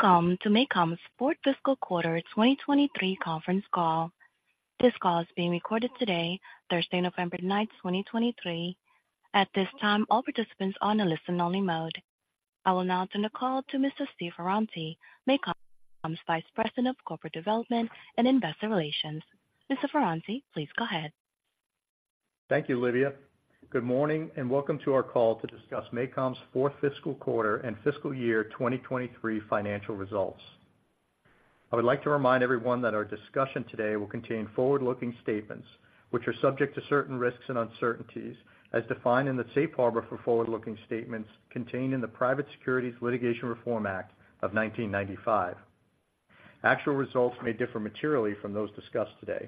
Welcome to MACOM's Fourth Fiscal Quarter 2023 conference call. This call is being recorded today, Thursday, November 9th, 2023. At this time, all participants are on a listen-only mode. I will now turn the call to Mr. Steve Ferranti, MACOM's Vice President of Corporate Development and Investor Relations. Mr. Ferranti, please go ahead. Thank you, Livia. Good morning, and welcome to our call to discuss MACOM's Fourth Fiscal Quarter and Fiscal Year 2023 financial results. I would like to remind everyone that our discussion today will contain forward-looking statements, which are subject to certain risks and uncertainties as defined in the safe harbor for forward-looking statements contained in the Private Securities Litigation Reform Act of 1995. Actual results may differ materially from those discussed today.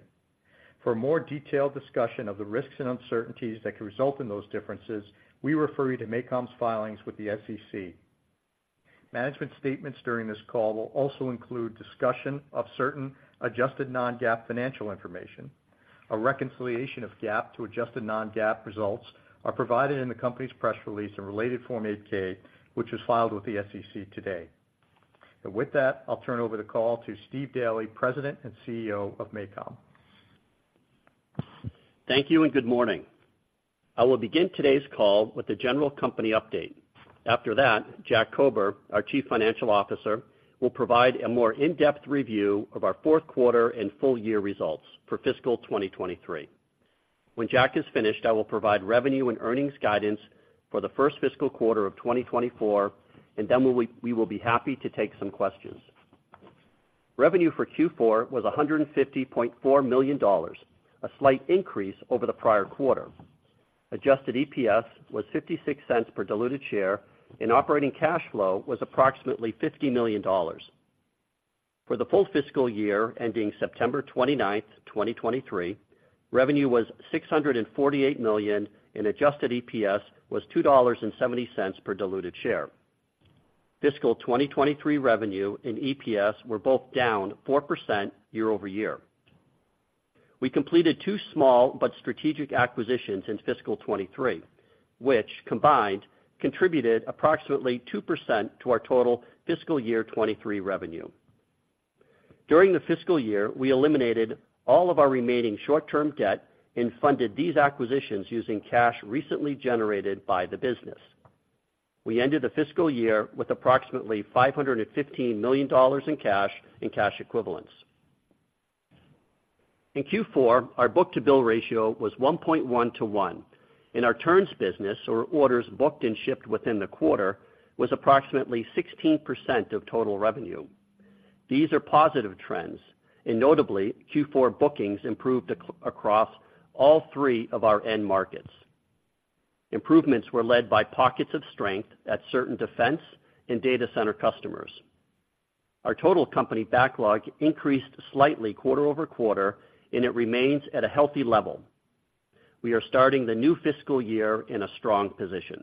For a more detailed discussion of the risks and uncertainties that can result in those differences, we refer you to MACOM's filings with the SEC. Management statements during this call will also include discussion of certain adjusted non-GAAP financial information. A reconciliation of GAAP to adjusted non-GAAP results are provided in the company's press release and related Form 8-K, which was filed with the SEC today. With that, I'll turn over the call to Steve Daly, President and CEO of MACOM. Thank you, and good morning. I will begin today's call with a general company update. After that, Jack Kober, our Chief Financial Officer, will provide a more in-depth review of our fourth quarter and full year results for fiscal 2023. When Jack is finished, I will provide revenue and earnings guidance for the first fiscal quarter of 2024, and then we will be happy to take some questions. Revenue for Q4 was $150.4 million, a slight increase over the prior quarter. Adjusted EPS was $0.56 per diluted share, and operating cash flow was approximately $50 million. For the full fiscal year, ending September 29th, 2023, revenue was $648 million, and adjusted EPS was $2.70 per diluted share. Fiscal 2023 revenue and EPS were both down 4% year-over-year. We completed two small but strategic acquisitions in fiscal 2023, which, combined, contributed approximately 2% to our total fiscal year 2023 revenue. During the fiscal year, we eliminated all of our remaining short-term debt and funded these acquisitions using cash recently generated by the business. We ended the fiscal year with approximately $515 million in cash and cash equivalents. In Q4, our book-to-bill ratio was 1.1 to 1, and our turns business, or orders booked and shipped within the quarter, was approximately 16% of total revenue. These are positive trends, and notably, Q4 bookings improved across all three of our end markets. Improvements were led by pockets of strength at certain defense and data center customers. Our total company backlog increased slightly quarter-over-quarter, and it remains at a healthy level. We are starting the new fiscal year in a strong position.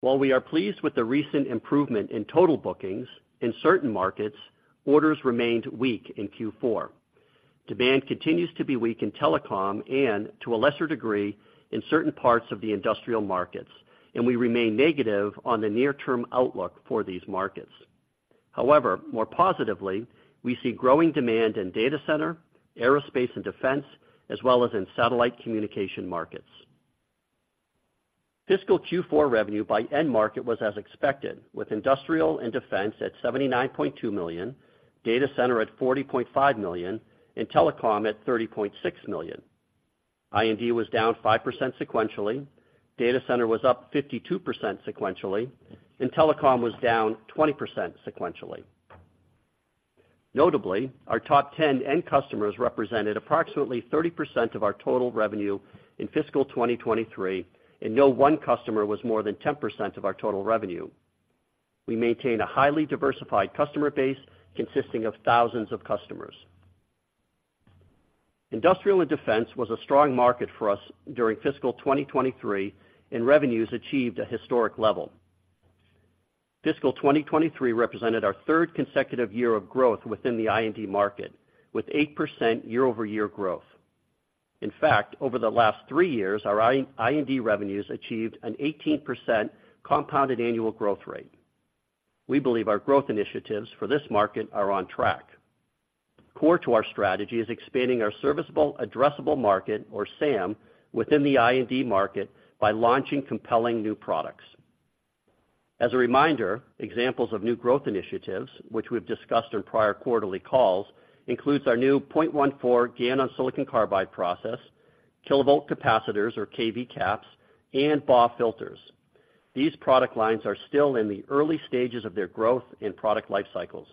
While we are pleased with the recent improvement in total bookings, in certain markets, orders remained weak in Q4. Demand continues to be weak in telecom and, to a lesser degree, in certain parts of the industrial markets, and we remain negative on the near-term outlook for these markets. However, more positively, we see growing demand in data center, aerospace and defense, as well as in satellite communication markets. Fiscal Q4 revenue by end market was as expected, with industrial and defense at $79.2 million, data center at $40.5 million, and telecom at $30.6 million. I&D was down 5% sequentially, data center was up 52% sequentially, and telecom was down 20% sequentially. Notably, our top 10 end customers represented approximately 30% of our total revenue in fiscal 2023, and no one customer was more than 10% of our total revenue. We maintain a highly diversified customer base consisting of thousands of customers. Industrial and defense was a strong market for us during fiscal 2023, and revenues achieved a historic level. Fiscal 2023 represented our third consecutive year of growth within the I&D market, with 8% year-over-year growth. In fact, over the last three years, our I&D revenues achieved an 18% compounded annual growth rate. We believe our growth initiatives for this market are on track. Core to our strategy is expanding our serviceable addressable market, or SAM, within the I&D market by launching compelling new products. As a reminder, examples of new growth initiatives, which we've discussed in prior quarterly calls, includes our new 0.14 GaN on silicon carbide process, kilovolt capacitors or kV caps, and BAW filters. These product lines are still in the early stages of their growth and product life cycles.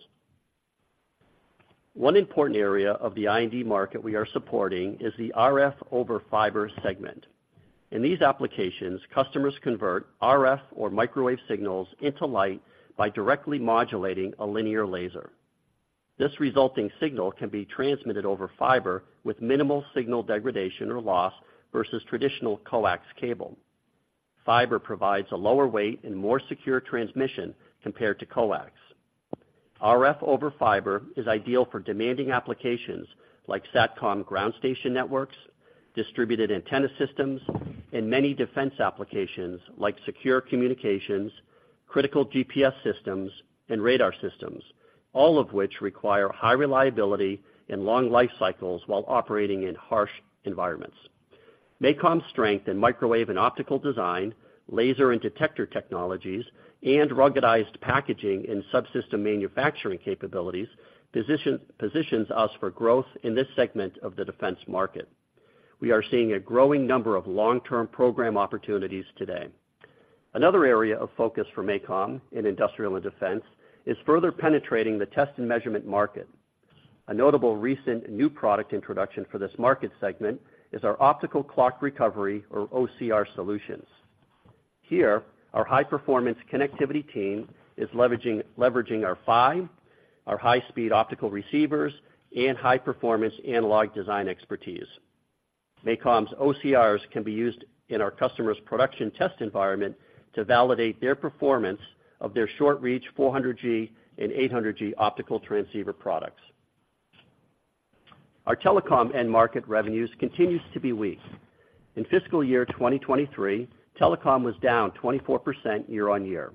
One important area of the I&D market we are supporting is the RF over fiber segment. In these applications, customers convert RF or microwave signals into light by directly modulating a linear laser. This resulting signal can be transmitted over fiber with minimal signal degradation or loss versus traditional coax cable. Fiber provides a lower weight and more secure transmission compared to coax. RF over fiber is ideal for demanding applications like Satcom ground station networks, distributed antenna systems, and many defense applications like secure communications, critical GPS systems, and radar systems, all of which require high reliability and long life cycles while operating in harsh environments. MACOM's strength in microwave and optical design, laser and detector technologies, and ruggedized packaging and subsystem manufacturing capabilities positions us for growth in this segment of the defense market. We are seeing a growing number of long-term program opportunities today. Another area of focus for MACOM in industrial and defense is further penetrating the test and measurement market. A notable recent new product introduction for this market segment is our optical clock recovery, or OCR solutions. Here, our high-performance connectivity team is leveraging our PHY, our high-speed optical receivers, and high-performance analog design expertise. MACOM's OCRs can be used in our customers' production test environment to validate the performance of their short-reach 400G and 800G optical transceiver products. Our telecom end market revenues continues to be weak. In fiscal year 2023, telecom was down 24% year-on-year.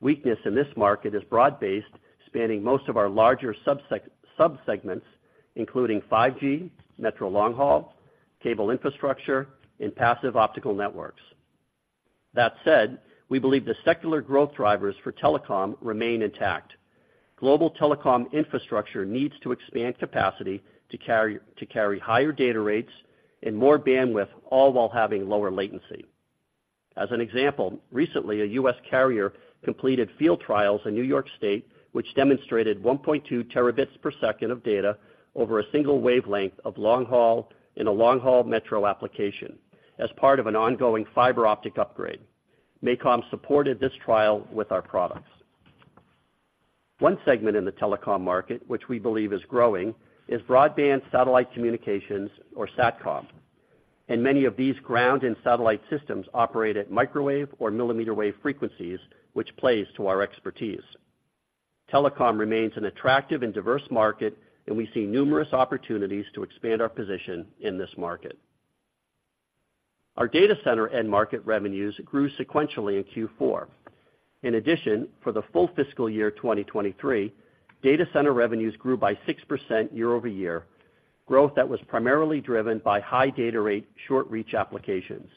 Weakness in this market is broad-based, spanning most of our larger sub-segments, including 5G, metro long haul, cable infrastructure, and passive optical networks. That said, we believe the secular growth drivers for telecom remain intact. Global telecom infrastructure needs to expand capacity to carry higher data rates and more bandwidth, all while having lower latency. As an example, recently, a U.S. carrier completed field trials in New York State, which demonstrated 1.2 Tb per second of data over a single wavelength of long haul in a long-haul metro application as part of an ongoing fiber optic upgrade. MACOM supported this trial with our products. One segment in the telecom market, which we believe is growing, is broadband satellite communications, or SatCom. And many of these ground and satellite systems operate at microwave or millimeter wave frequencies, which plays to our expertise. Telecom remains an attractive and diverse market, and we see numerous opportunities to expand our position in this market. Our data center end market revenues grew sequentially in Q4. In addition, for the full fiscal year 2023, data center revenues grew by 6% year-over-year, growth that was primarily driven by high data rate, short-reach applications.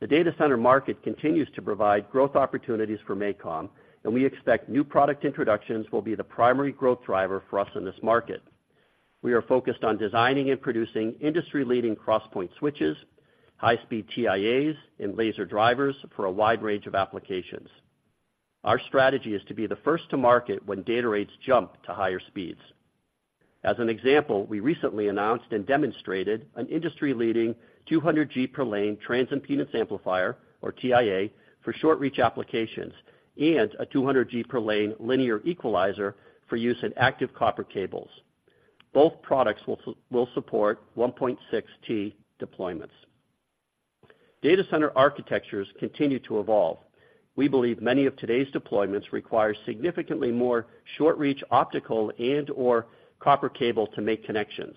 The data center market continues to provide growth opportunities for MACOM, and we expect new product introductions will be the primary growth driver for us in this market. We are focused on designing and producing industry-leading cross-point switches, high-speed TIAs, and laser drivers for a wide range of applications. Our strategy is to be the first to market when data rates jump to higher speeds. As an example, we recently announced and demonstrated an industry-leading 200G per lane transimpedance amplifier, or TIA, for short-reach applications and a 200G per lane linear equalizer for use in active copper cables. Both products will support 1.6T deployments. Data center architectures continue to evolve. We believe many of today's deployments require significantly more short-reach optical and/or copper cable to make connections.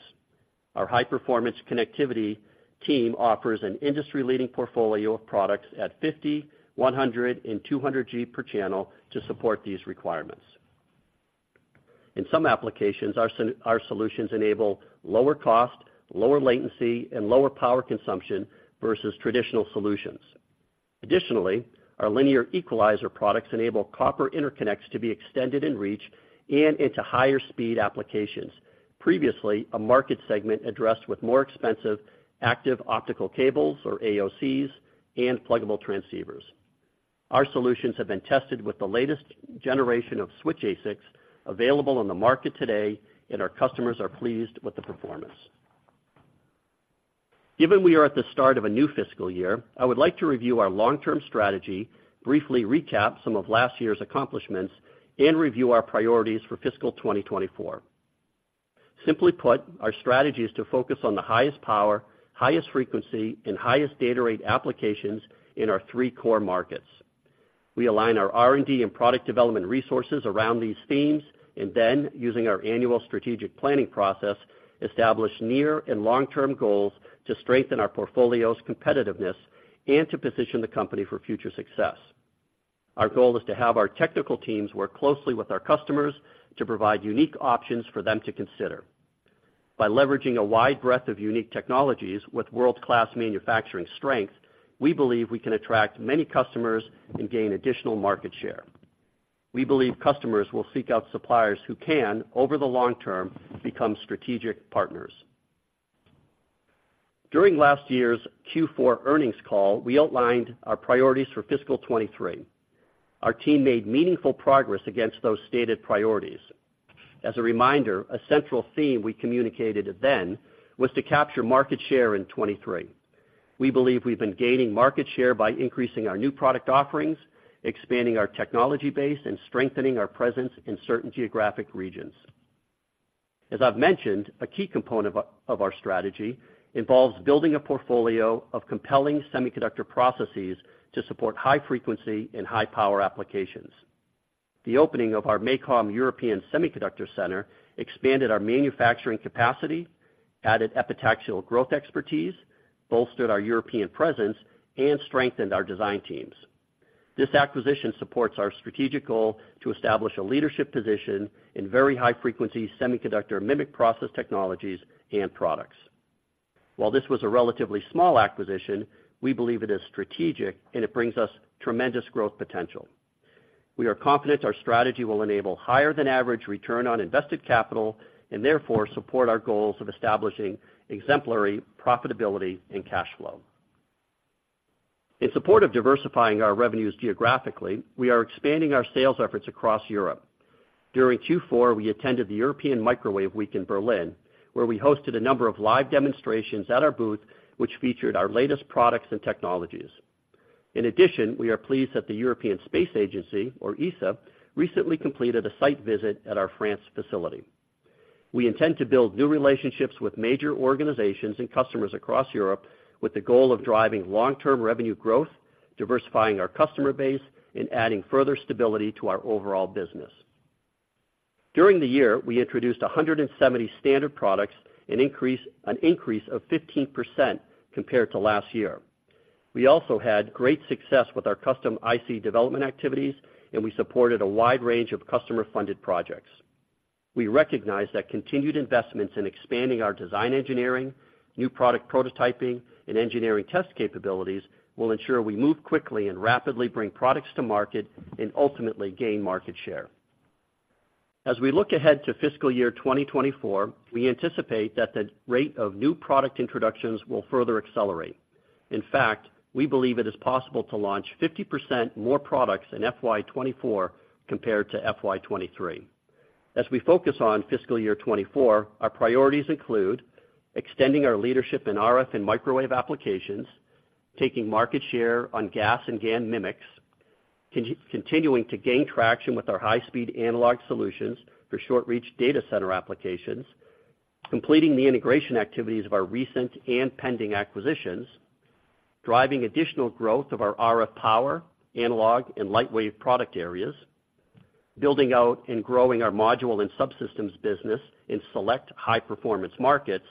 Our high-performance connectivity team offers an industry-leading portfolio of products at 50G, 100G, and 200G per channel to support these requirements. In some applications, our our solutions enable lower cost, lower latency, and lower power consumption versus traditional solutions. Additionally, our linear equalizer products enable copper interconnects to be extended in reach and into higher speed applications. Previously, a market segment addressed with more expensive active optical cables, or AOCs, and pluggable transceivers. Our solutions have been tested with the latest generation of switch ASICs available on the market today, and our customers are pleased with the performance. Given we are at the start of a new fiscal year, I would like to review our long-term strategy, briefly recap some of last year's accomplishments, and review our priorities for fiscal 2024. Simply put, our strategy is to focus on the highest power, highest frequency, and highest data rate applications in our three core markets. We align our R&D and product development resources around these themes, and then, using our annual strategic planning process, establish near and long-term goals to strengthen our portfolio's competitiveness and to position the company for future success. Our goal is to have our technical teams work closely with our customers to provide unique options for them to consider. By leveraging a wide breadth of unique technologies with world-class manufacturing strength, we believe we can attract many customers and gain additional market share. We believe customers will seek out suppliers who can, over the long term, become strategic partners. During last year's Q4 earnings call, we outlined our priorities for fiscal 2023. Our team made meaningful progress against those stated priorities. As a reminder, a central theme we communicated then was to capture market share in 2023. We believe we've been gaining market share by increasing our new product offerings, expanding our technology base, and strengthening our presence in certain geographic regions. As I've mentioned, a key component of our strategy involves building a portfolio of compelling semiconductor processes to support high frequency and high power applications. The opening of our MACOM European Semiconductor Center expanded our manufacturing capacity, added epitaxial growth expertise, bolstered our European presence, and strengthened our design teams. This acquisition supports our strategic goal to establish a leadership position in very high frequency semiconductor MMIC process technologies and products. While this was a relatively small acquisition, we believe it is strategic, and it brings us tremendous growth potential. We are confident our strategy will enable higher than average return on invested capital, and therefore support our goals of establishing exemplary profitability and cash flow. In support of diversifying our revenues geographically, we are expanding our sales efforts across Europe. During Q4, we attended the European Microwave Week in Berlin, where we hosted a number of live demonstrations at our booth, which featured our latest products and technologies. In addition, we are pleased that the European Space Agency, or ESA, recently completed a site visit at our France facility. We intend to build new relationships with major organizations and customers across Europe, with the goal of driving long-term revenue growth, diversifying our customer base, and adding further stability to our overall business. During the year, we introduced 170 standard products, an increase of 15% compared to last year. We also had great success with our custom IC development activities, and we supported a wide range of customer-funded projects. We recognize that continued investments in expanding our design engineering, new product prototyping, and engineering test capabilities will ensure we move quickly and rapidly bring products to market and ultimately gain market share. As we look ahead to fiscal year 2024, we anticipate that the rate of new product introductions will further accelerate. In fact, we believe it is possible to launch 50% more products in FY 2024 compared to FY 2023. As we focus on fiscal year 2024, our priorities include extending our leadership in RF and microwave applications, taking market share on GaAs and GaN MMICs, continuing to gain traction with our high-speed analog solutions for short-reach data center applications, completing the integration activities of our recent and pending acquisitions, driving additional growth of our RF power, analog, and lightwave product areas, building out and growing our module and subsystems business in select high-performance markets,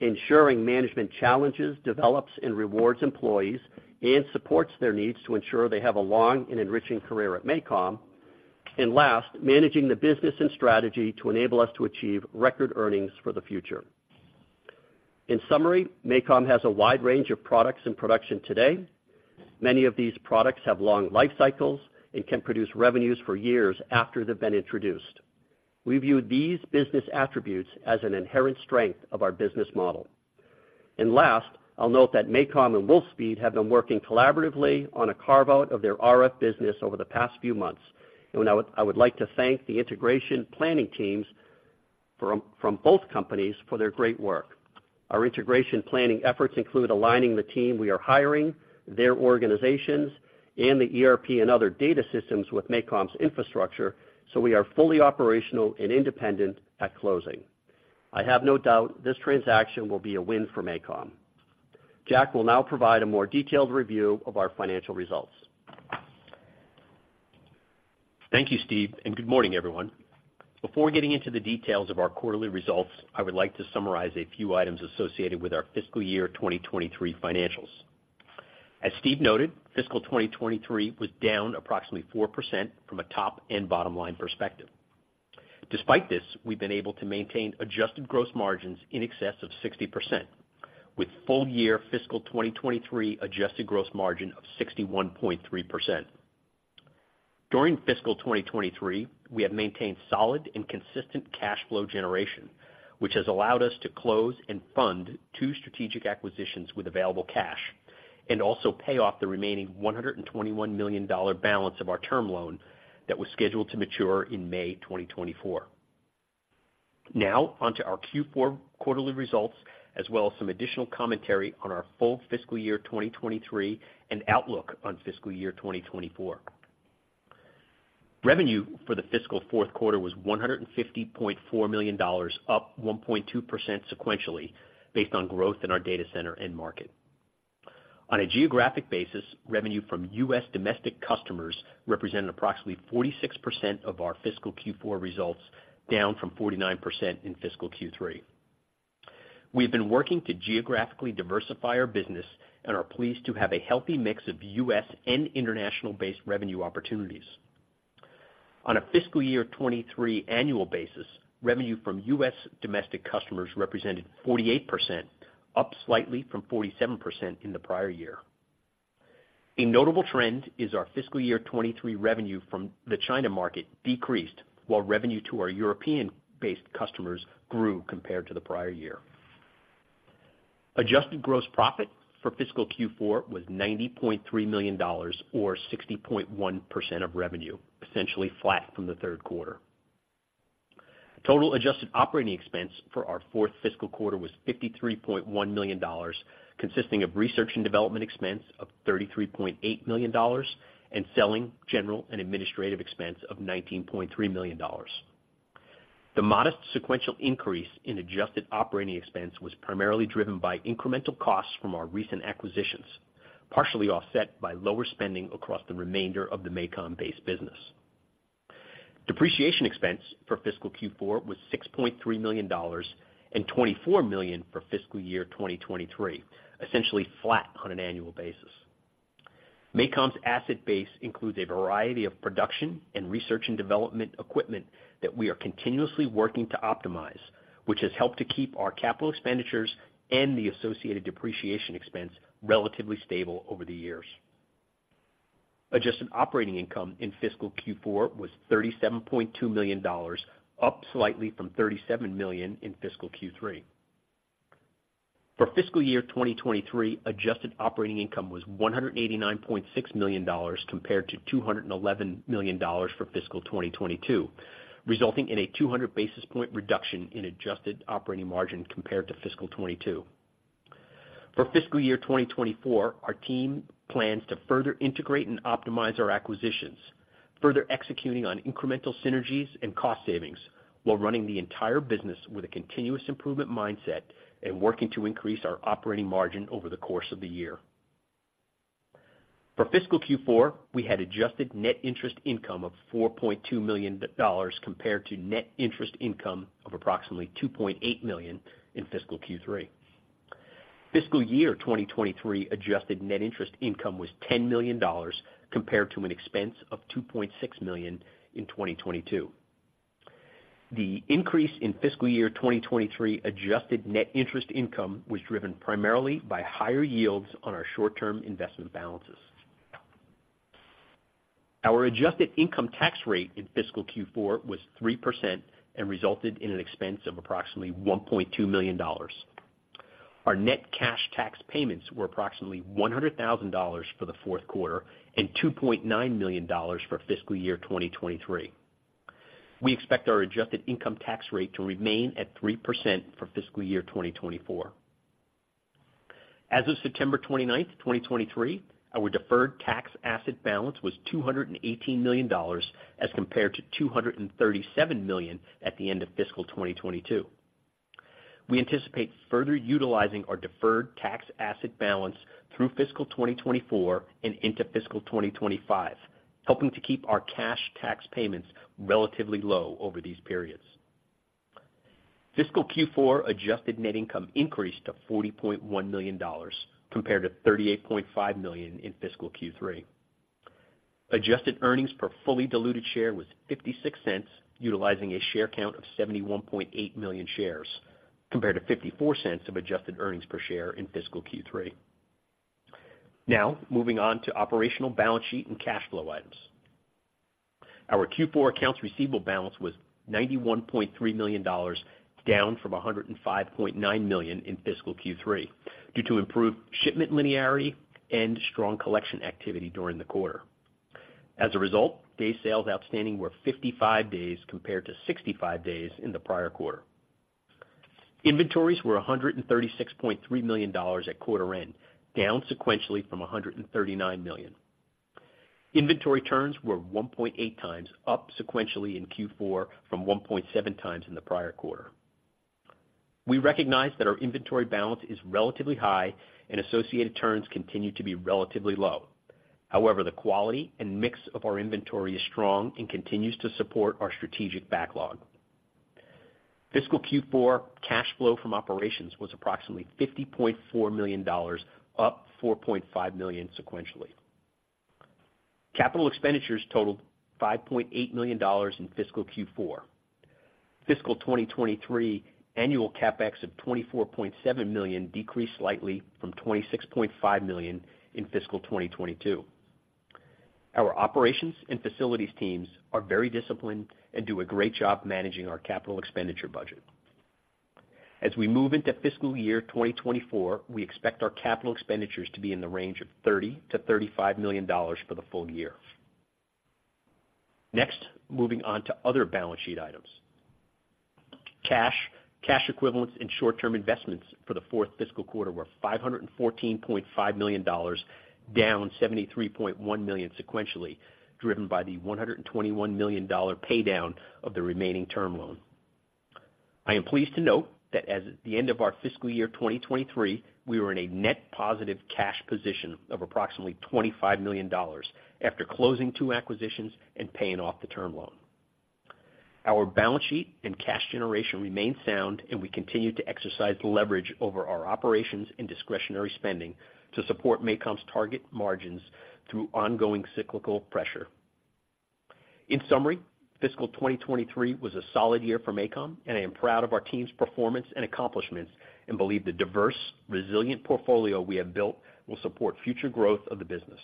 ensuring management challenges, develops, and rewards employees, and supports their needs to ensure they have a long and enriching career at MACOM. Last, managing the business and strategy to enable us to achieve record earnings for the future. In summary, MACOM has a wide range of products in production today. Many of these products have long life cycles and can produce revenues for years after they've been introduced. We view these business attributes as an inherent strength of our business model. Last, I'll note that MACOM and Wolfspeed have been working collaboratively on a carve-out of their RF business over the past few months, and I would like to thank the integration planning teams from both companies for their great work. Our integration planning efforts include aligning the team we are hiring, their organizations, and the ERP and other data systems with MACOM's infrastructure, so we are fully operational and independent at closing. I have no doubt this transaction will be a win for MACOM. Jack will now provide a more detailed review of our financial results. Thank you, Steve, and good morning, everyone. Before getting into the details of our quarterly results, I would like to summarize a few items associated with our Fiscal Year 2023 financials. As Steve noted, fiscal 2023 was down approximately 4% from a top and bottom-line perspective. Despite this, we've been able to maintain adjusted gross margins in excess of 60%, with full year fiscal 2023 adjusted gross margin of 61.3%. During fiscal 2023, we have maintained solid and consistent cash flow generation, which has allowed us to close and fund two strategic acquisitions with available cash, and also pay off the remaining $121 million balance of our term loan that was scheduled to mature in May 2024. Now, on to our Q4 quarterly results, as well as some additional commentary on our full fiscal year 2023 and outlook on fiscal year 2024. Revenue for the fiscal fourth quarter was $150.4 million, up 1.2% sequentially, based on growth in our data center end market. On a geographic basis, revenue from U.S. domestic customers represented approximately 46% of our fiscal Q4 results, down from 49% in fiscal Q3. We have been working to geographically diversify our business and are pleased to have a healthy mix of U.S. and international-based revenue opportunities. On a fiscal year 2023 annual basis, revenue from U.S. domestic customers represented 48%, up slightly from 47% in the prior year. A notable trend is our fiscal year 2023 revenue from the China market decreased, while revenue to our European-based customers grew compared to the prior year. Adjusted gross profit for fiscal Q4 was $90.3 million, or 60.1% of revenue, essentially flat from the third quarter. Total adjusted operating expense for our fourth fiscal quarter was $53.1 million, consisting of research and development expense of $33.8 million, and selling, general, and administrative expense of $19.3 million. The modest sequential increase in adjusted operating expense was primarily driven by incremental costs from our recent acquisitions, partially offset by lower spending across the remainder of the MACOM base business. Depreciation expense for fiscal Q4 was $6.3 million, and $24 million for fiscal year 2023, essentially flat on an annual basis. MACOM's asset base includes a variety of production and research and development equipment that we are continuously working to optimize, which has helped to keep our capital expenditures and the associated depreciation expense relatively stable over the years. Adjusted operating income in fiscal Q4 was $37.2 million, up slightly from $37 million in fiscal Q3. For fiscal year 2023, adjusted operating income was $189.6 million, compared to $211 million for fiscal year 2022, resulting in a 200 basis point reduction in adjusted operating margin compared to fiscal year 2022. For fiscal year 2024, our team plans to further integrate and optimize our acquisitions, further executing on incremental synergies and cost savings, while running the entire business with a continuous improvement mindset and working to increase our operating margin over the course of the year. For fiscal Q4, we had adjusted net interest income of $4.2 million compared to net interest income of approximately $2.8 million in fiscal Q3. Fiscal year 2023 adjusted net interest income was $10 million compared to an expense of $2.6 million in 2022. The increase in fiscal year 2023 adjusted net interest income was driven primarily by higher yields on our short-term investment balances. Our adjusted income tax rate in fiscal Q4 was 3% and resulted in an expense of approximately $1.2 million. Our net cash tax payments were approximately $100,000 for the fourth quarter and $2.9 million for fiscal year 2023. We expect our adjusted income tax rate to remain at 3% for fiscal year 2024. As of September 29th, 2023, our deferred tax asset balance was $218 million, as compared to $237 million at the end of fiscal 2022. We anticipate further utilizing our deferred tax asset balance through fiscal 2024 and into fiscal 2025, helping to keep our cash tax payments relatively low over these periods. Fiscal Q4 adjusted net income increased to $40.1 million, compared to $38.5 million in fiscal Q3. Adjusted earnings per fully diluted share was $0.56, utilizing a share count of 71.8 million shares, compared to $0.54 of adjusted earnings per share in fiscal Q3. Now, moving on to operational balance sheet and cash flow items. Our Q4 accounts receivable balance was $91.3 million, down from $105.9 million in fiscal Q3, due to improved shipment linearity and strong collection activity during the quarter. As a result, day sales outstanding were 55 days compared to 65 days in the prior quarter. Inventories were $136.3 million at quarter end, down sequentially from $139 million. Inventory turns were 1.8x, up sequentially in Q4 from 1.7x in the prior quarter. We recognize that our inventory balance is relatively high and associated turns continue to be relatively low. However, the quality and mix of our inventory is strong and continues to support our strategic backlog. Fiscal Q4 cash flow from operations was approximately $50.4 million, up $4.5 million sequentially. Capital expenditures totaled $5.8 million in fiscal Q4. Fiscal 2023 annual CapEx of $24.7 million decreased slightly from $26.5 million in fiscal 2022. Our operations and facilities teams are very disciplined and do a great job managing our capital expenditure budget. As we move into fiscal year 2024, we expect our capital expenditures to be in the range of $30 million-$35 million for the full year. Next, moving on to other balance sheet items. Cash, cash equivalents and short-term investments for the fourth fiscal quarter were $514.5 million, down $73.1 million sequentially, driven by the $121 million pay down of the remaining term loan. I am pleased to note that as of the end of our fiscal year 2023, we were in a net positive cash position of approximately $25 million after closing two acquisitions and paying off the term loan. Our balance sheet and cash generation remain sound, and we continue to exercise leverage over our operations and discretionary spending to support MACOM's target margins through ongoing cyclical pressure. In summary, fiscal 2023 was a solid year for MACOM, and I am proud of our team's performance and accomplishments and believe the diverse, resilient portfolio we have built will support future growth of the business.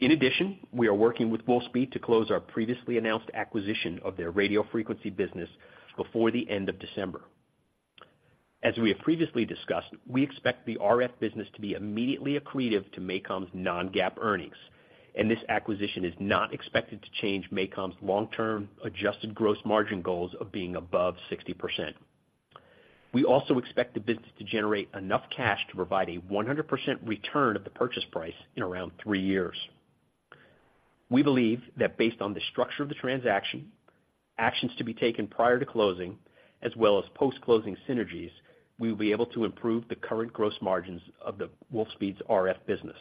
In addition, we are working with Wolfspeed to close our previously announced acquisition of their radio frequency business before the end of December. As we have previously discussed, we expect the RF business to be immediately accretive to MACOM's non-GAAP earnings, and this acquisition is not expected to change MACOM's long-term adjusted gross margin goals of being above 60%. We also expect the business to generate enough cash to provide a 100% return of the purchase price in around 3 years. We believe that based on the structure of the transaction, actions to be taken prior to closing, as well as post-closing synergies, we will be able to improve the current gross margins of the Wolfspeed's RF business.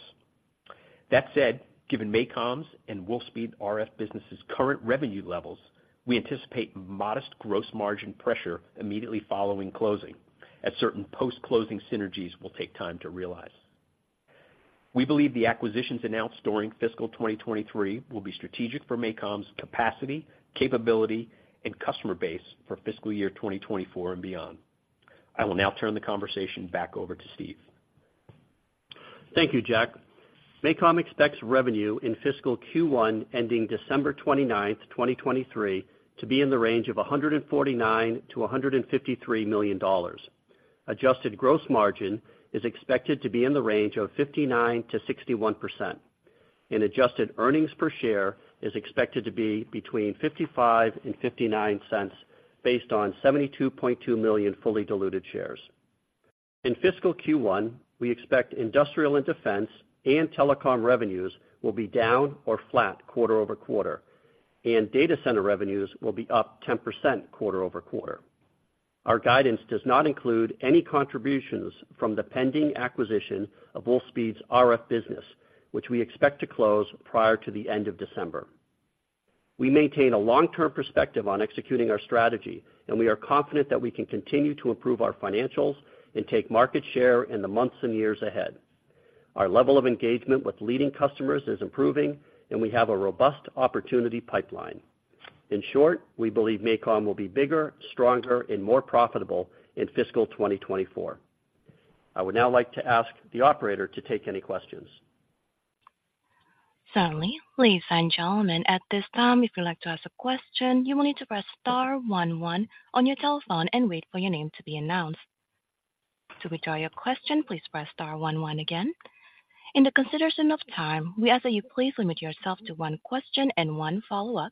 That said, given MACOM's and Wolfspeed RF business' current revenue levels, we anticipate modest gross margin pressure immediately following closing, as certain post-closing synergies will take time to realize. We believe the acquisitions announced during fiscal 2023 will be strategic for MACOM's capacity, capability, and customer base for fiscal year 2024 and beyond. I will now turn the conversation back over to Steve. Thank you, Jack. MACOM expects revenue in fiscal Q1, ending December 29th, 2023, to be in the range of $149 million-$153 million. Adjusted gross margin is expected to be in the range of 59%-61%, and adjusted earnings per share is expected to be between $0.55 and $0.59, based on 72.2 million fully diluted shares. In fiscal Q1, we expect industrial and defense and telecom revenues will be down or flat quarter-over-quarter, and data center revenues will be up 10% quarter-over-quarter. Our guidance does not include any contributions from the pending acquisition of Wolfspeed's RF business, which we expect to close prior to the end of December. We maintain a long-term perspective on executing our strategy, and we are confident that we can continue to improve our financials and take market share in the months and years ahead. Our level of engagement with leading customers is improving, and we have a robust opportunity pipeline. In short, we believe MACOM will be bigger, stronger, and more profitable in fiscal 2024. I would now like to ask the operator to take any questions. Certainly. Ladies and gentlemen, at this time, if you'd like to ask a question, you will need to press star one one on your telephone and wait for your name to be announced. To withdraw your question, please press star one one again. In the consideration of time, we ask that you please limit yourself to one question and one follow-up.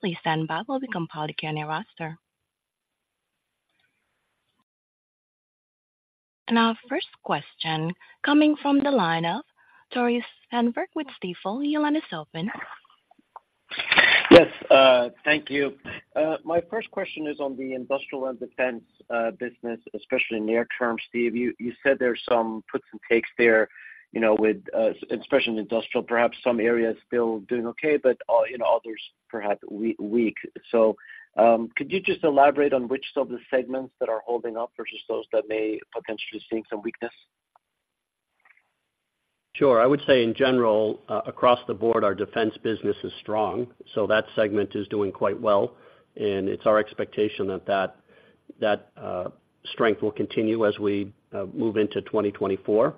Please stand by while we compile the attendee roster. Our first question coming from the line of Tore Svanberg with Stifel. Your line is open. Yes, thank you. My first question is on the industrial and defense business, especially near term. Steve, you said there's some puts and takes there, you know, with especially in industrial, perhaps some areas still doing okay, but you know, others perhaps weak. So, could you just elaborate on which of the segments that are holding up versus those that may potentially seeing some weakness? Sure. I would say in general, across the board, our defense business is strong, so that segment is doing quite well, and it's our expectation that strength will continue as we move into 2024.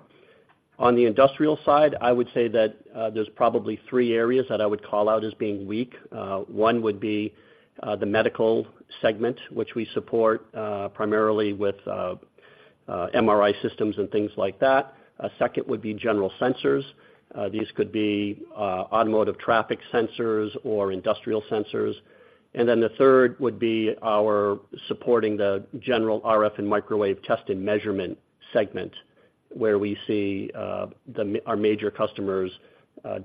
On the industrial side, I would say that there's probably three areas that I would call out as being weak. One would be the medical segment, which we support primarily with MRI systems and things like that. A second would be general sensors. These could be automotive traffic sensors or industrial sensors. And then the third would be our supporting the general RF and microwave test and measurement segment, where we see our major customers'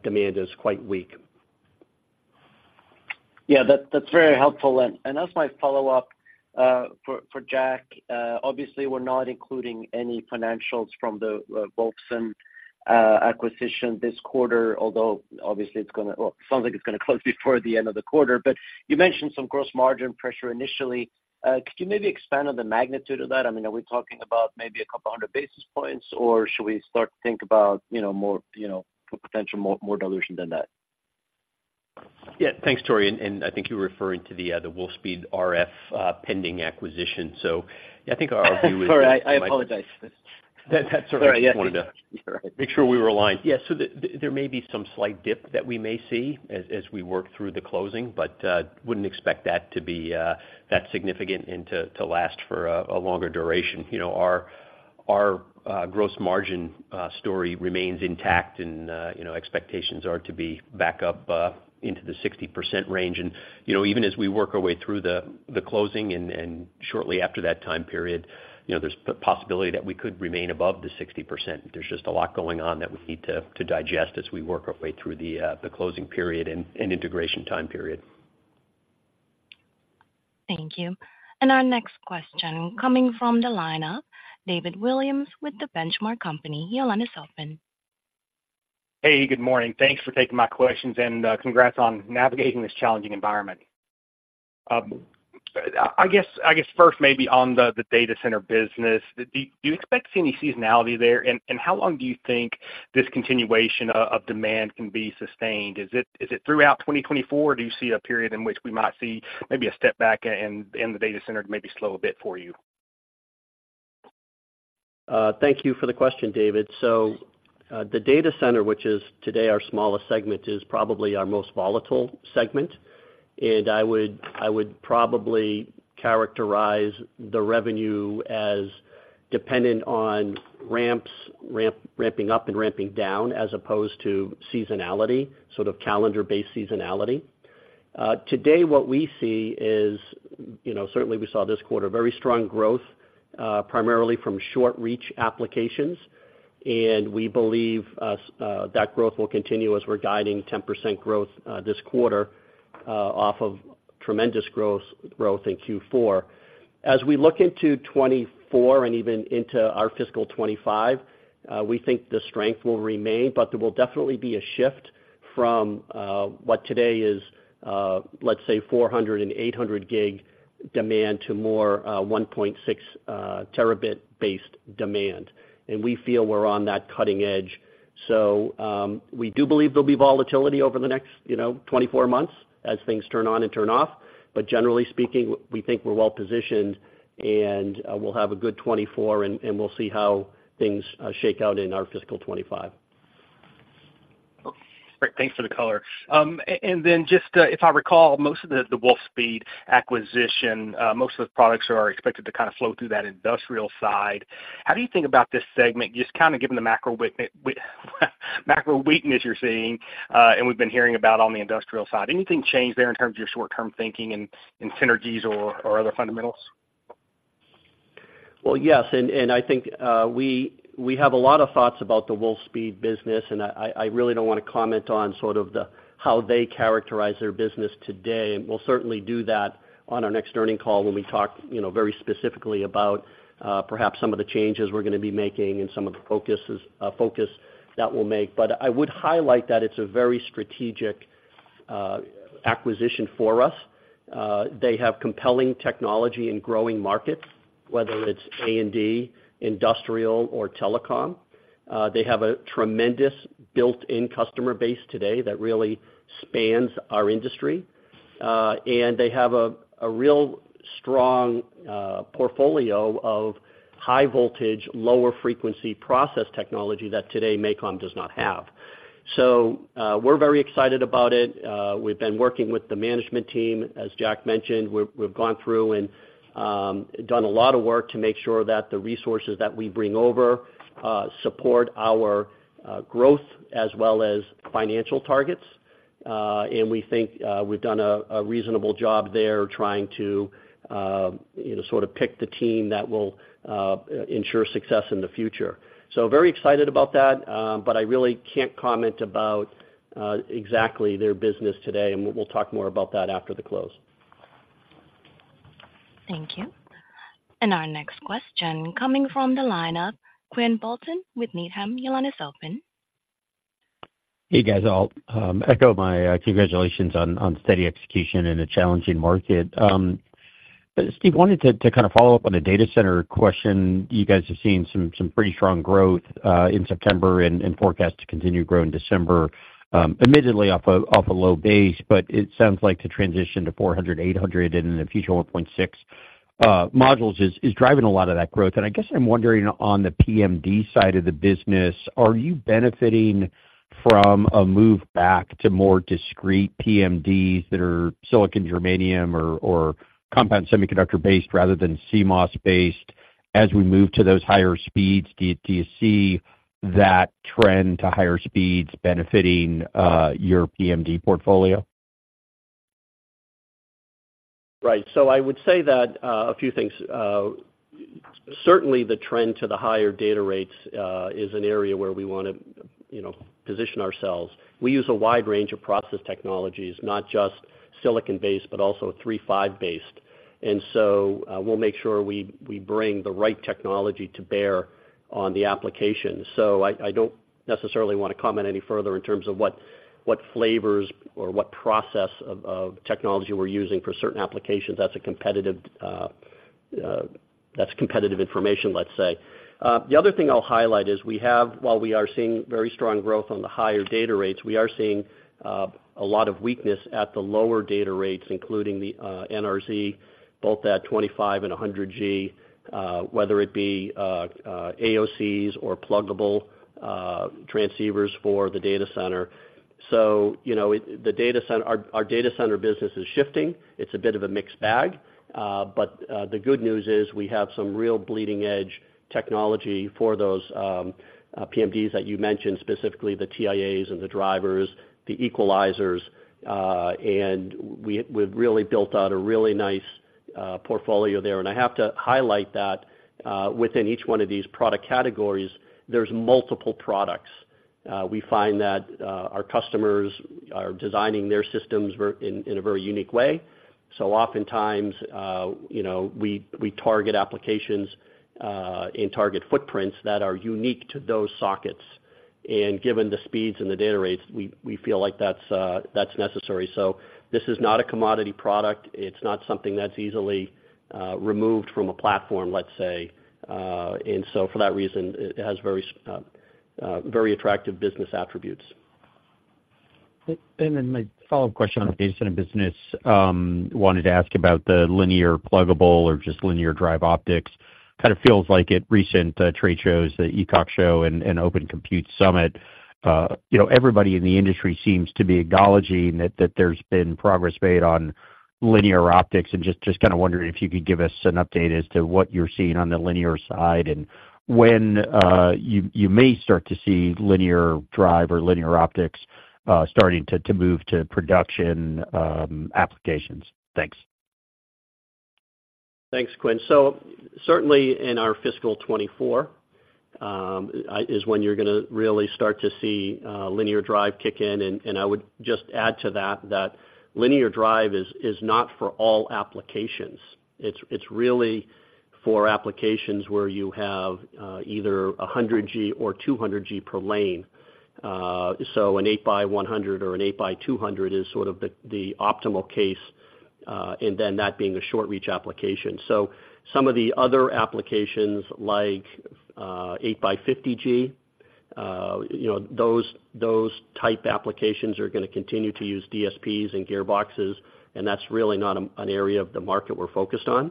demand is quite weak. Yeah, that's very helpful. And as my follow-up for Jack, obviously we're not including any financials from the Wolfspeed acquisition this quarter, although obviously it's gonna... Well, sounds like it's gonna close before the end of the quarter. But you mentioned some gross margin pressure initially. Could you maybe expand on the magnitude of that? I mean, are we talking about maybe a couple hundred basis points, or should we start to think about, you know, more potential, more dilution than that? Yeah. Thanks, Tore, and I think you're referring to the Wolfspeed RF pending acquisition. So I think our view is- Sorry, I apologize. That's all right. Sorry, yes. Just wanted to make sure we were aligned. Yeah, so there may be some slight dip that we may see as we work through the closing, but wouldn't expect that to be that significant and to last for a longer duration. You know, our gross margin story remains intact and, you know, expectations are to be back up into the 60% range. You know, even as we work our way through the closing and shortly after that time period, you know, there's a possibility that we could remain above the 60%. There's just a lot going on that we need to digest as we work our way through the closing period and integration time period. Thank you. Our next question coming from the line of David Williams with The Benchmark Company. Your line is open. Hey, good morning. Thanks for taking my questions, and congrats on navigating this challenging environment. I guess first, maybe on the data center business, do you expect to see any seasonality there? And how long do you think this continuation of demand can be sustained? Is it throughout 2024, or do you see a period in which we might see maybe a step back and the data center maybe slow a bit for you? Thank you for the question, David. So, the data center, which is today our smallest segment, is probably our most volatile segment, and I would, I would probably characterize the revenue as dependent on ramps, ramping up and ramping down, as opposed to seasonality, sort of calendar-based seasonality. Today, what we see is, you know, certainly we saw this quarter, very strong growth, primarily from short-reach applications, and we believe that growth will continue as we're guiding 10% growth this quarter, off of tremendous growth in Q4. As we look into 2024 and even into our fiscal 2025, we think the strength will remain, but there will definitely be a shift from what today is, let's say, 400 and 800 gig demand to more 1.6 terabit based demand. We feel we're on that cutting edge. We do believe there'll be volatility over the next, you know, 24 months as things turn on and turn off. But generally speaking, we think we're well positioned, and we'll have a good 2024, and we'll see how things shake out in our fiscal 2025. Great. Thanks for the color. And then just, if I recall, most of the Wolfspeed acquisition, most of the products are expected to kind of flow through that industrial side. How do you think about this segment, just kind of given the macro with macro weakness you're seeing, and we've been hearing about on the industrial side? Anything change there in terms of your short-term thinking and synergies or other fundamentals? Well, yes, and I think we have a lot of thoughts about the Wolfspeed business, and I really don't wanna comment on sort of the how they characterize their business today. We'll certainly do that on our next earnings call when we talk, you know, very specifically about perhaps some of the changes we're gonna be making and some of the focuses, focus that we'll make. But I would highlight that it's a very strategic acquisition for us. They have compelling technology and growing markets, whether it's A&D, industrial or telecom. They have a tremendous built-in customer base today that really spans our industry. And they have a real strong portfolio of high voltage, lower frequency process technology that today, MACOM does not have. So, we're very excited about it. We've been working with the management team. As Jack mentioned, we've gone through and done a lot of work to make sure that the resources that we bring over support our growth as well as financial targets. And we think we've done a reasonable job there, trying to, you know, sort of pick the team that will ensure success in the future. So very excited about that, but I really can't comment about exactly their business today, and we'll talk more about that after the close. Thank you. Our next question coming from the line of Quinn Bolton with Needham. Your line is open. Hey, guys. I'll echo my congratulations on steady execution in a challenging market. Steve, wanted to kind of follow up on the data center question. You guys have seen some pretty strong growth in September and forecast to continue to grow in December, admittedly off a low base, but it sounds like the transition to 400, 800 and in the future, 1.6 modules, is driving a lot of that growth. And I guess I'm wondering on the PMD side of the business, are you benefiting from a move back to more discrete PMDs that are silicon germanium or compound semiconductor based rather than CMOS based, as we move to those higher speeds? Do you see that trend to higher speeds benefiting your PMD portfolio? Right. So I would say that a few things. Certainly, the trend to the higher data rates is an area where we wanna, you know, position ourselves. We use a wide range of process technologies, not just silicon-based, but also 3-5-based. And so, we'll make sure we bring the right technology to bear on the application. So I don't necessarily wanna comment any further in terms of what flavors or what process of technology we're using for certain applications. That's competitive information, let's say. The other thing I'll highlight is we have, while we are seeing very strong growth on the higher data rates, we are seeing a lot of weakness at the lower data rates, including the NRZ, both at 25G and 100G, whether it be AOCs or pluggable transceivers for the data center. So, you know, the data center, our data center business is shifting. It's a bit of a mixed bag, but the good news is we have some real bleeding-edge technology for those PMDs that you mentioned, specifically the TIAs and the drivers, the equalizers, and we've really built out a really nice portfolio there. And I have to highlight that, within each one of these product categories, there's multiple products. We find that our customers are designing their systems in a very unique way. So oftentimes, you know, we target applications and target footprints that are unique to those sockets. And given the speeds and the data rates, we feel like that's necessary. So this is not a commodity product. It's not something that's easily removed from a platform, let's say. And so for that reason, it has very attractive business attributes. And then my follow-up question on the data center business, wanted to ask about the linear pluggable or just linear drive optics. Kind of feels like at recent trade shows, the ECOC show and Open Compute Summit, you know, everybody in the industry seems to be acknowledging that there's been progress made on linear optics and just kind of wondering if you could give us an update as to what you're seeing on the linear side, and when you may start to see linear drive or linear optics starting to move to production applications? Thanks.... Thanks, Quinn. So certainly in our fiscal 2024, is when you're gonna really start to see linear drive kick in, and I would just add to that, that linear drive is not for all applications. It's really for applications where you have either a 100G or 200G per lane. So an 8 by 100 or an 8 by 200 is sort of the optimal case, and then that being a short-reach application. So some of the other applications, like 8G by 50G, you know, those type applications are gonna continue to use DSPs and gearboxes, and that's really not an area of the market we're focused on.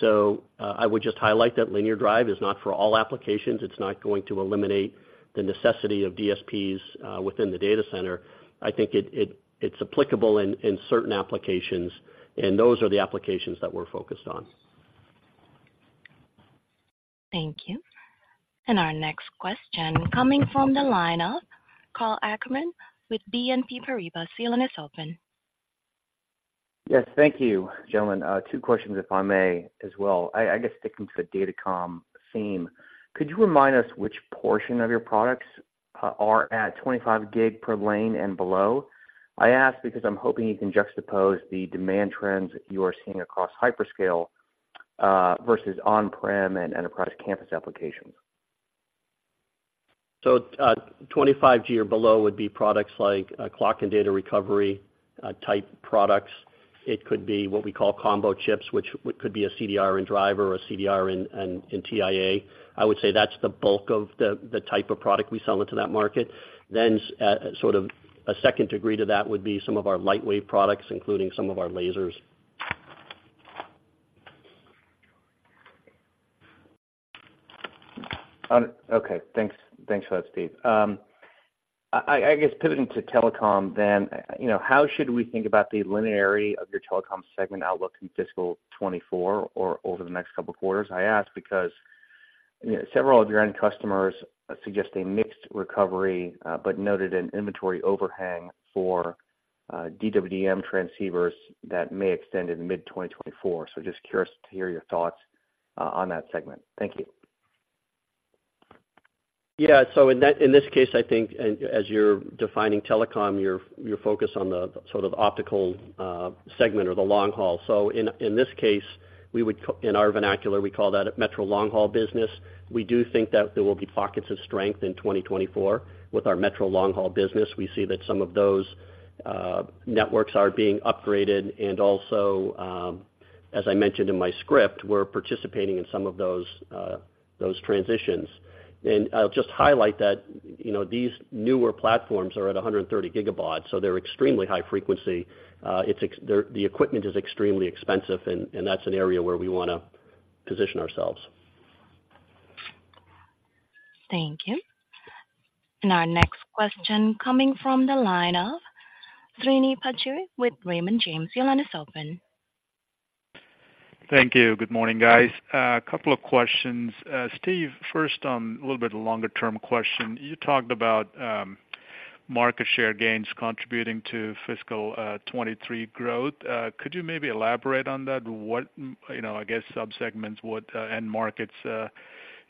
So I would just highlight that linear drive is not for all applications. It's not going to eliminate the necessity of DSPs within the data center. I think it's applicable in certain applications, and those are the applications that we're focused on. Thank you. Our next question coming from the line of Karl Ackerman with BNP Paribas. Your line is open. Yes, thank you, gentlemen. Two questions, if I may, as well. I guess sticking to the datacom theme, could you remind us which portion of your products are at 25 gig per lane and below? I ask because I'm hoping you can juxtapose the demand trends you are seeing across hyperscale versus on-prem and enterprise campus applications. So, 25G or below would be products like, clock and data recovery, type products. It could be what we call combo chips, which could be a CDR and driver or CDR and TIA. I would say that's the bulk of the type of product we sell into that market. Then, sort of a second degree to that would be some of our lightweight products, including some of our lasers. Okay. Thanks. Thanks for that, Steve. I guess pivoting to telecom then, you know, how should we think about the linearity of your telecom segment outlook in fiscal 2024 or over the next couple of quarters? I ask because, you know, several of your end customers suggest a mixed recovery, but noted an inventory overhang for DWDM transceivers that may extend into mid-2024. So just curious to hear your thoughts on that segment. Thank you. Yeah, so in that case, I think and as you're defining telecom, you're focused on the sort of optical segment or the long haul. So in this case, we would in our vernacular, we call that a metro long-haul business. We do think that there will be pockets of strength in 2024 with our metro long-haul business. We see that some of those networks are being upgraded, and also, as I mentioned in my script, we're participating in some of those transitions. And I'll just highlight that, you know, these newer platforms are at 130 gigabaud, so they're extremely high frequency. The equipment is extremely expensive, and that's an area where we wanna position ourselves. Thank you. Our next question coming from the line of Srini Pajjuri with Raymond James. Your line is open. Thank you. Good morning, guys. A couple of questions. Steve, first on a little bit of a longer-term question. You talked about market share gains contributing to fiscal 2023 growth. Could you maybe elaborate on that? What, you know, I guess, subsegments, what end markets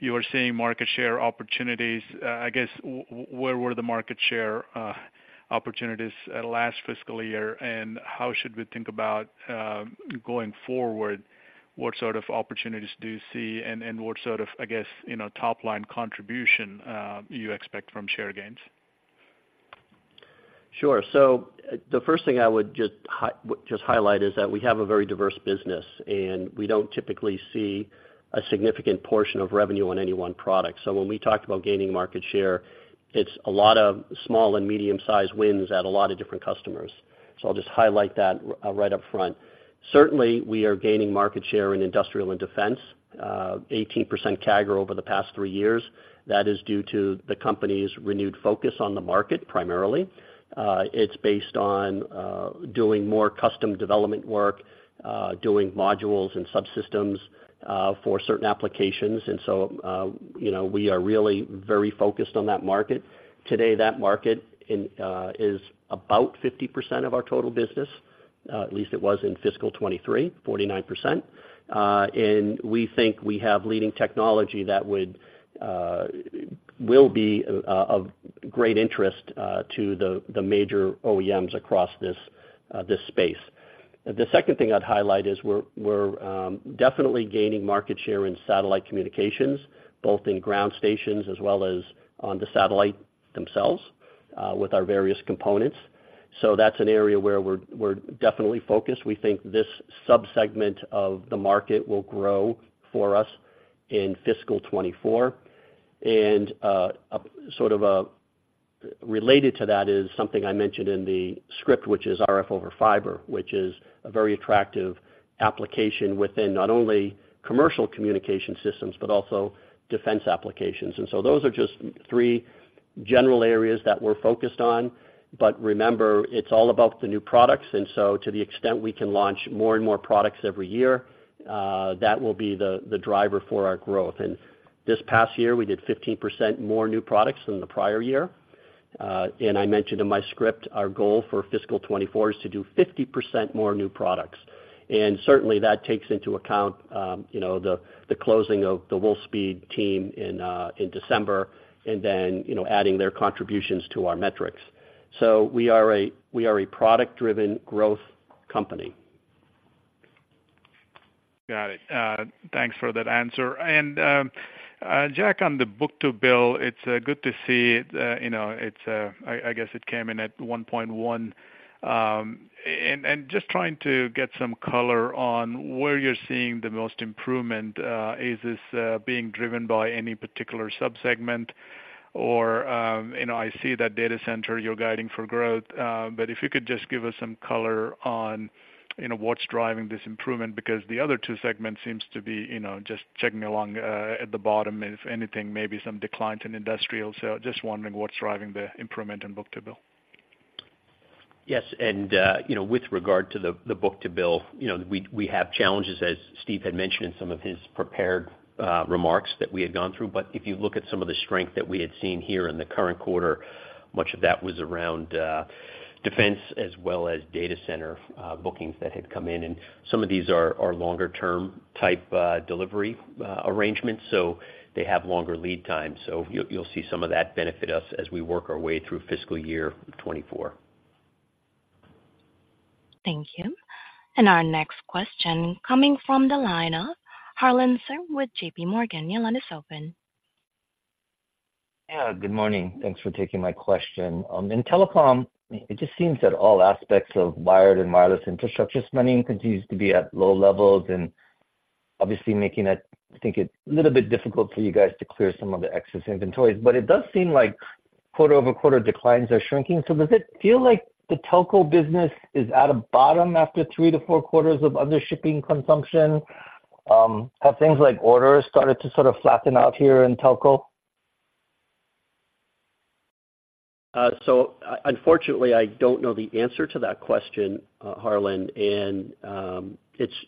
you are seeing market share opportunities. I guess where were the market share opportunities at last fiscal year, and how should we think about going forward? What sort of opportunities do you see and what sort of, I guess, you know, top-line contribution you expect from share gains? Sure. So the first thing I would just highlight is that we have a very diverse business, and we don't typically see a significant portion of revenue on any one product. So when we talked about gaining market share, it's a lot of small and medium-sized wins at a lot of different customers. So I'll just highlight that, right up front. Certainly, we are gaining market share in industrial and defense, 18% CAGR over the past three years. That is due to the company's renewed focus on the market, primarily. It's based on doing more custom development work, doing modules and subsystems for certain applications. And so, you know, we are really very focused on that market. Today, that market is about 50% of our total business, at least it was in fiscal 2023, 49%. And we think we have leading technology that would, will be, of great interest, to the major OEMs across this space. The second thing I'd highlight is we're definitely gaining market share in satellite communications, both in ground stations as well as on the satellite themselves, with our various components. So that's an area where we're definitely focused. We think this subsegment of the market will grow for us in fiscal 2024. And, sort of, related to that is something I mentioned in the script, which is RF over fiber, which is a very attractive application within not only commercial communication systems but also defense applications. And so those are just three general areas that we're focused on. But remember, it's all about the new products, and so to the extent we can launch more and more products every year, that will be the driver for our growth. And this past year, we did 15% more new products than the prior year. And I mentioned in my script, our goal for fiscal 2024 is to do 50% more new products. And certainly that takes into account, you know, the closing of the Wolfspeed team in December, and then, you know, adding their contributions to our metrics. So we are a product-driven growth company. Got it. Thanks for that answer. And, Jack, on the book-to-bill, it's good to see, you know, it's, I guess it came in at 1.1. And just trying to get some color on where you're seeing the most improvement, is this being driven by any particular subsegment? Or, you know, I see that data center you're guiding for growth, but if you could just give us some color on, you know, what's driving this improvement, because the other two segments seems to be, you know, just chugging along, at the bottom, if anything, maybe some declines in industrial. So just wondering what's driving the improvement in book-to-bill. Yes, and, you know, with regard to the book-to-bill, you know, we have challenges, as Steve had mentioned in some of his prepared remarks that we had gone through. But if you look at some of the strength that we had seen here in the current quarter, much of that was around defense as well as data center bookings that had come in. And some of these are longer term type delivery arrangements, so they have longer lead time. So you, you'll see some of that benefit us as we work our way through fiscal year 2024. Thank you. Our next question coming from the line of Harlan Sur with JPMorgan. Your line is open. Yeah, good morning. Thanks for taking my question. In telecom, it just seems that all aspects of wired and wireless infrastructure spending continues to be at low levels, and obviously making it, I think, it a little bit difficult for you guys to clear some of the excess inventories. But it does seem like quarter-over-quarter declines are shrinking. So does it feel like the telco business is at a bottom after three to four quarters of undershipping consumption? Have things like orders started to sort of flatten out here in telco? So, unfortunately, I don't know the answer to that question, Harlan.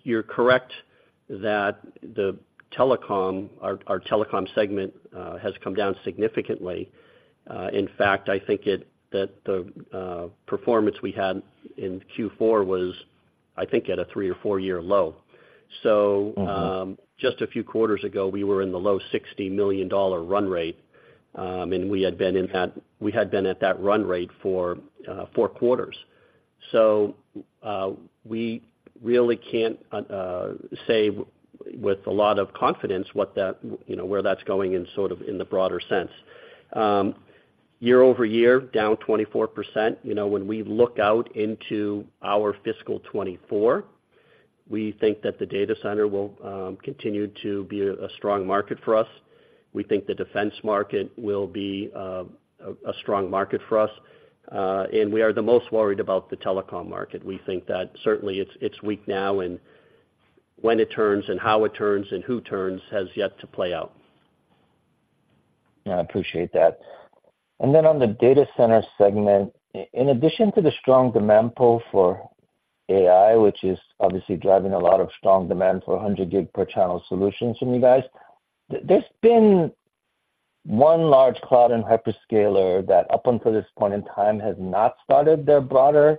You're correct that the telecom, our telecom segment has come down significantly. In fact, I think the performance we had in Q4 was, I think, at a three- or four-year low. So- Mm-hmm.... just a few quarters ago, we were in the low $60 million run rate, and we had been in that, we had been at that run rate for four quarters. So, we really can't say with a lot of confidence what that you know where that's going in sort of the broader sense. Year-over-year, down 24%. You know, when we look out into our fiscal 2024, we think that the data center will continue to be a strong market for us. We think the defense market will be a strong market for us, and we are the most worried about the telecom market. We think that certainly it's weak now, and when it turns and how it turns and who turns has yet to play out. Yeah, I appreciate that. Then on the data center segment, in addition to the strong demand pull for AI, which is obviously driving a lot of strong demand for 100 gig per channel solutions from you guys, there's been one large cloud and hyperscaler that, up until this point in time, has not started their broader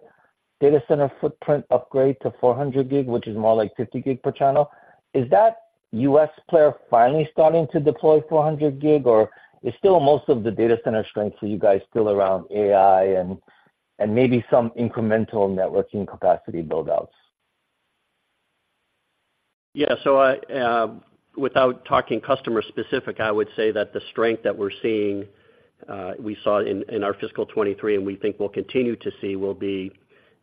data center footprint upgrade to 400 gig, which is more like 50 gig per channel. Is that U.S. player finally starting to deploy 400 gig, or is still most of the data center strength for you guys still around AI and maybe some incremental networking capacity build outs? Yeah, so I, without talking customer specific, I would say that the strength that we're seeing, we saw in our fiscal 2023 and we think we'll continue to see will be,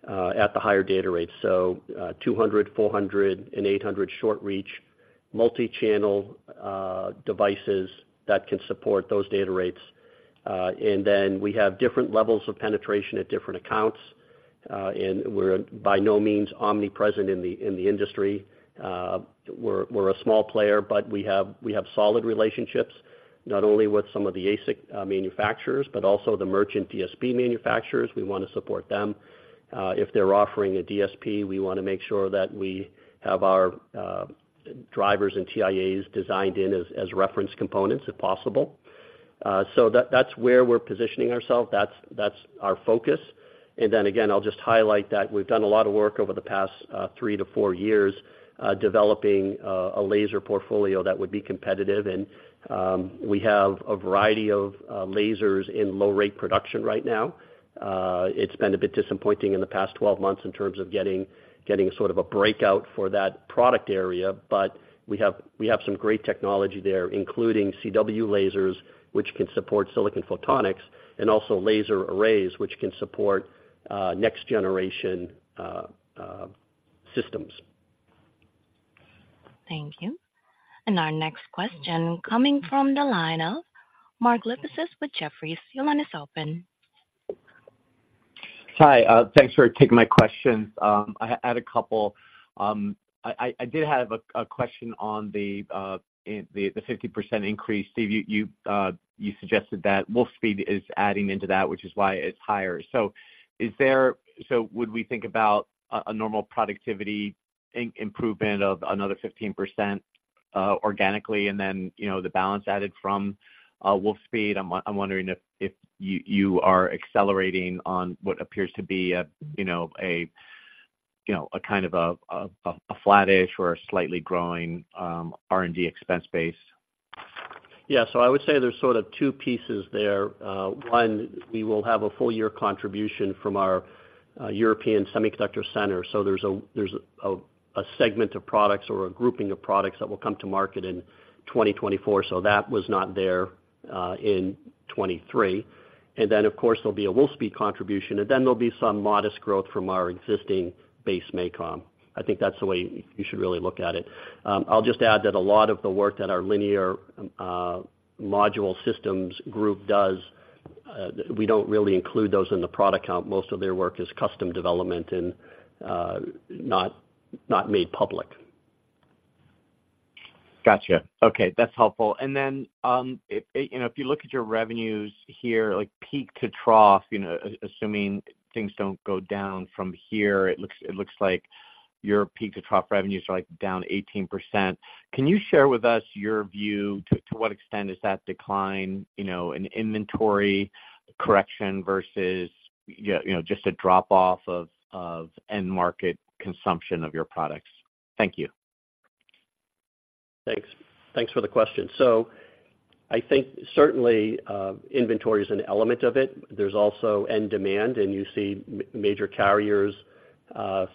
at the higher data rates. So, 200, 400 and 800 short reach, multi-channel, devices that can support those data rates. And then we have different levels of penetration at different accounts, and we're by no means omnipresent in the industry. We're a small player, but we have solid relationships, not only with some of the ASIC manufacturers, but also the merchant DSP manufacturers. We wanna support them. If they're offering a DSP, we wanna make sure that we have our drivers and TIAs designed in as reference components, if possible. So that's where we're positioning ourselves. That's, that's our focus. And then again, I'll just highlight that we've done a lot of work over the past 3-4 years developing a laser portfolio that would be competitive. And we have a variety of lasers in low rate production right now. It's been a bit disappointing in the past 12 months in terms of getting, getting sort of a breakout for that product area, but we have, we have some great technology there, including CW lasers, which can support silicon photonics, and also laser arrays, which can support next generation systems. Thank you. Our next question coming from the line of Mark Lipacis with Jefferies. Your line is open. Hi, thanks for taking my questions. I had a couple. I did have a question on the 50% increase. Steve, you suggested that Wolfspeed is adding into that, which is why it's higher. So would we think about a normal productivity improvement of another 15%?... organically, and then, you know, the balance added from Wolfspeed. I'm wondering if you are accelerating on what appears to be a, you know, a flatish or a slightly growing R&D expense base. Yeah, so I would say there's sort of two pieces there. One, we will have a full year contribution from our European Semiconductor Center. So there's a segment of products or a grouping of products that will come to market in 2024, so that was not there in 2023. And then, of course, there'll be a Wolfspeed contribution, and then there'll be some modest growth from our existing base, MACOM. I think that's the way you should really look at it. I'll just add that a lot of the work that our linear module systems group does, we don't really include those in the product count. Most of their work is custom development and not made public. Gotcha. Okay, that's helpful. And then, if, you know, if you look at your revenues here, like, peak to trough, you know, assuming things don't go down from here, it looks, it looks like your peak to trough revenues are, like, down 18%. Can you share with us your view to, to what extent is that decline, you know, an inventory correction versus yeah, you know, just a drop-off of, of end market consumption of your products? Thank you. Thanks. Thanks for the question. So I think certainly, inventory is an element of it. There's also end demand, and you see major carriers,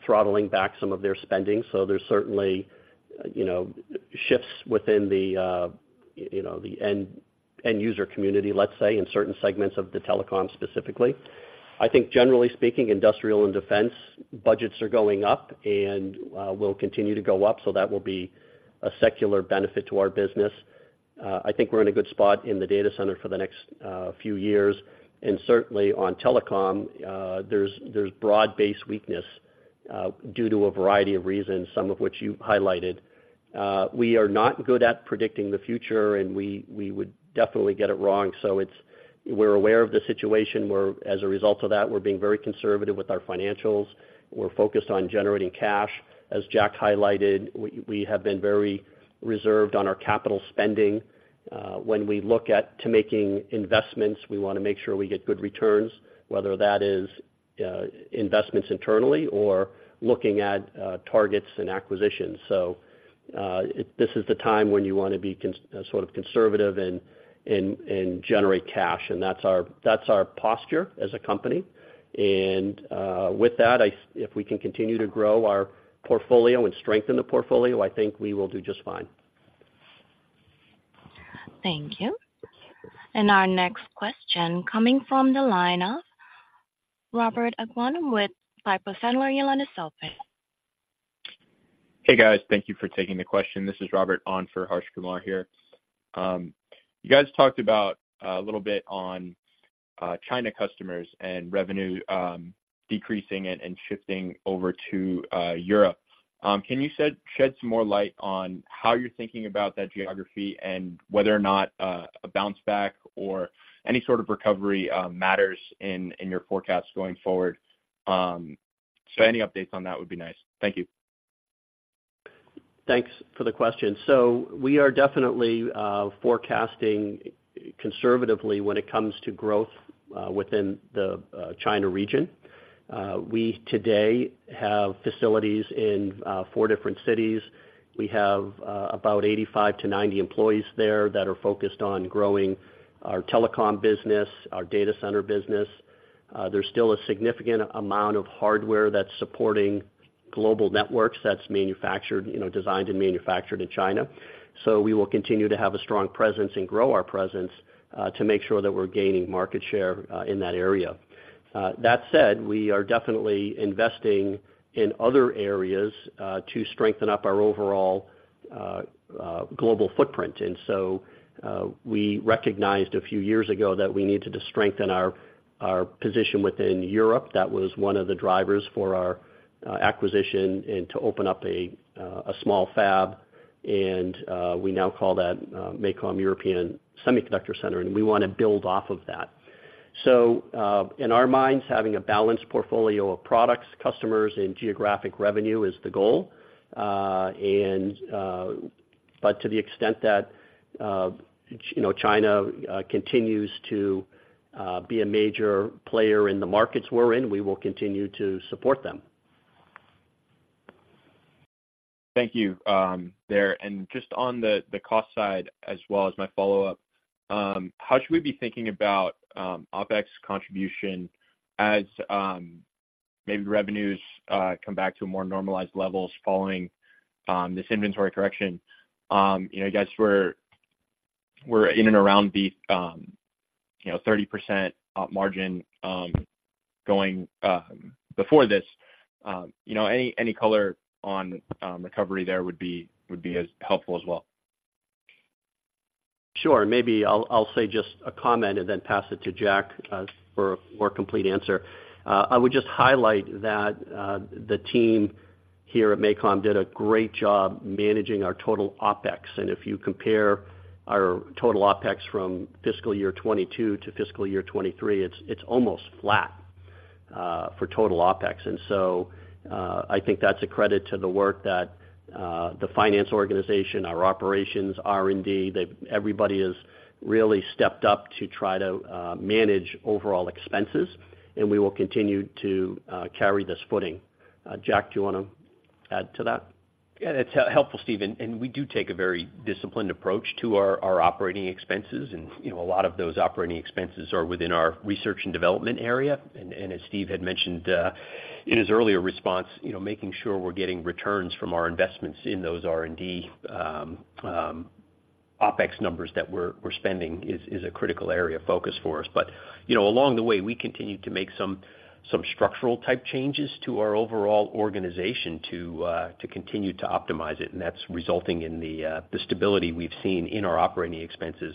throttling back some of their spending. So there's certainly, you know, shifts within the, you know, the end user community, let's say, in certain segments of the telecom specifically. I think generally speaking, industrial and defense budgets are going up and, will continue to go up, so that will be a secular benefit to our business. I think we're in a good spot in the data center for the next, few years, and certainly on telecom, there's broad-based weakness, due to a variety of reasons, some of which you highlighted. We are not good at predicting the future, and we would definitely get it wrong. So we're aware of the situation. We're, as a result of that, being very conservative with our financials. We're focused on generating cash. As Jack highlighted, we have been very reserved on our capital spending. When we look at to making investments, we wanna make sure we get good returns, whether that is investments internally or looking at targets and acquisitions. So this is the time when you wanna be sort of conservative and generate cash, and that's our posture as a company. With that, if we can continue to grow our portfolio and strengthen the portfolio, I think we will do just fine. Thank you. And our next question, coming from the line of Robert Aguanno with Piper Sandler. Please go ahead. Hey, guys. Thank you for taking the question. This is Robert Aguanno for Harsh Kumar here. You guys talked about a little bit on China customers and revenue decreasing and shifting over to Europe. Can you shed some more light on how you're thinking about that geography and whether or not a bounce back or any sort of recovery matters in your forecast going forward? So any updates on that would be nice. Thank you. Thanks for the question. So we are definitely forecasting conservatively when it comes to growth within the China region. We today have facilities in 4 different cities. We have about 85-90 employees there that are focused on growing our telecom business, our data center business. There's still a significant amount of hardware that's supporting global networks that's manufactured, you know, designed and manufactured in China. So we will continue to have a strong presence and grow our presence to make sure that we're gaining market share in that area. That said, we are definitely investing in other areas to strengthen up our overall global footprint. And so we recognized a few years ago that we needed to strengthen our position within Europe. That was one of the drivers for our acquisition and to open up a small fab, and we now call that MACOM European Semiconductor Center, and we wanna build off of that. So, in our minds, having a balanced portfolio of products, customers, and geographic revenue is the goal. And but to the extent that, you know, China continues to be a major player in the markets we're in, we will continue to support them. Thank you, there. And just on the cost side, as well as my follow-up, how should we be thinking about OpEx contribution as maybe revenues come back to a more normalized levels following this inventory correction? You know, you guys were in and around the you know, 30% margin going before this. You know, any color on recovery there would be as helpful as well. Sure. Maybe I'll say just a comment and then pass it to Jack for a more complete answer. I would just highlight that the team here at MACOM did a great job managing our total OpEx. And if you compare our total OpEx from fiscal year 2022 to fiscal year 2023, it's almost flat.... for total OpEx. And so, I think that's a credit to the work that, the finance organization, our operations, R&D, they've—everybody has really stepped up to try to, manage overall expenses, and we will continue to, carry this footing. Jack, do you want to add to that? Yeah, it's helpful, Steve, and we do take a very disciplined approach to our operating expenses. And you know, a lot of those operating expenses are within our research and development area. And as Steve had mentioned, in his earlier response, you know, making sure we're getting returns from our investments in those R&D OpEx numbers that we're spending is a critical area of focus for us. But you know, along the way, we continue to make some structural type changes to our overall organization to continue to optimize it, and that's resulting in the stability we've seen in our operating expenses.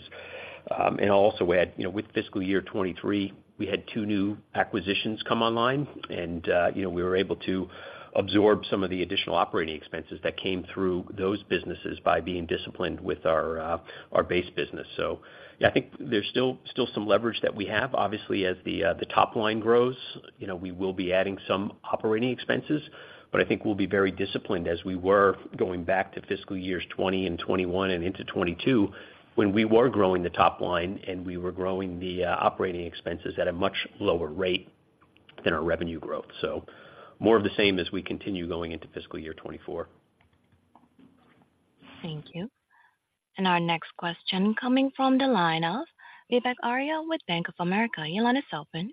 And I'll also add, you know, with fiscal year 2023, we had two new acquisitions come online, and, you know, we were able to absorb some of the additional operating expenses that came through those businesses by being disciplined with our, our base business. So yeah, I think there's still, still some leverage that we have. Obviously, as the, the top line grows, you know, we will be adding some operating expenses, but I think we'll be very disciplined as we were going back to fiscal years 2020 and 2021 and into 2022, when we were growing the top line, and we were growing the, operating expenses at a much lower rate than our revenue growth. So more of the same as we continue going into fiscal year 2024. Thank you. Our next question coming from the line of Vivek Arya with Bank of America. Your line is open.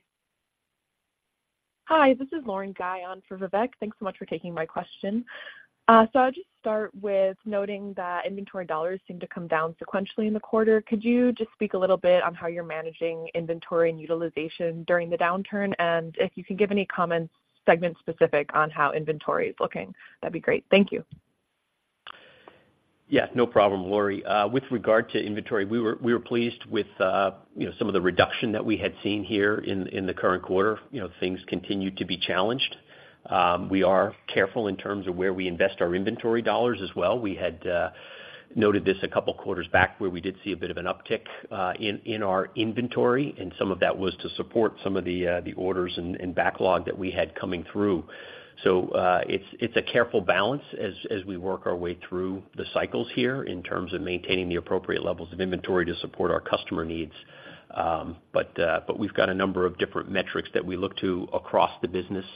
Hi, this is Lauren Guyon for Vivek. Thanks so much for taking my question. So I'll just start with noting that inventory dollars seem to come down sequentially in the quarter. Could you just speak a little bit on how you're managing inventory and utilization during the downturn? And if you can give any comments, segment specific, on how inventory is looking, that'd be great. Thank you. Yeah, no problem, Laurie. With regard to inventory, we were pleased with, you know, some of the reduction that we had seen here in the current quarter. You know, things continued to be challenged. We are careful in terms of where we invest our inventory dollars as well. We had noted this a couple of quarters back, where we did see a bit of an uptick in our inventory, and some of that was to support some of the the orders and backlog that we had coming through. So, it's a careful balance as we work our way through the cycles here in terms of maintaining the appropriate levels of inventory to support our customer needs. But we've got a number of different metrics that we look to across the business,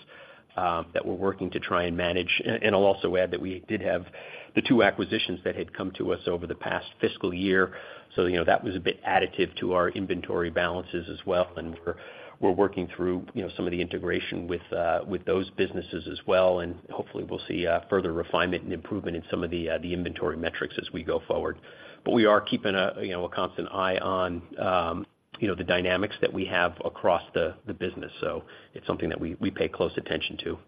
that we're working to try and manage. And I'll also add that we did have the two acquisitions that had come to us over the past fiscal year. So, you know, that was a bit additive to our inventory balances as well, and we're working through, you know, some of the integration with those businesses as well, and hopefully we'll see further refinement and improvement in some of the inventory metrics as we go forward. But we are keeping a, you know, a constant eye on, you know, the dynamics that we have across the business. So it's something that we pay close attention to.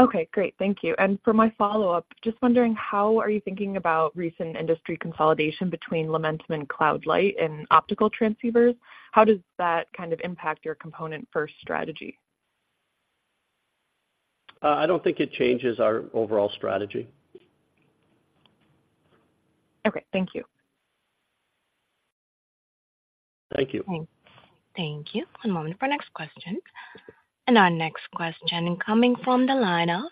Okay, great. Thank you. And for my follow-up, just wondering, how are you thinking about recent industry consolidation between Lumentum and Cloud Light and optical transceivers? How does that kind of impact your component-first strategy? I don't think it changes our overall strategy. Okay, thank you. Thank you. Thanks. Thank you. One moment for next question. Our next question coming from the line of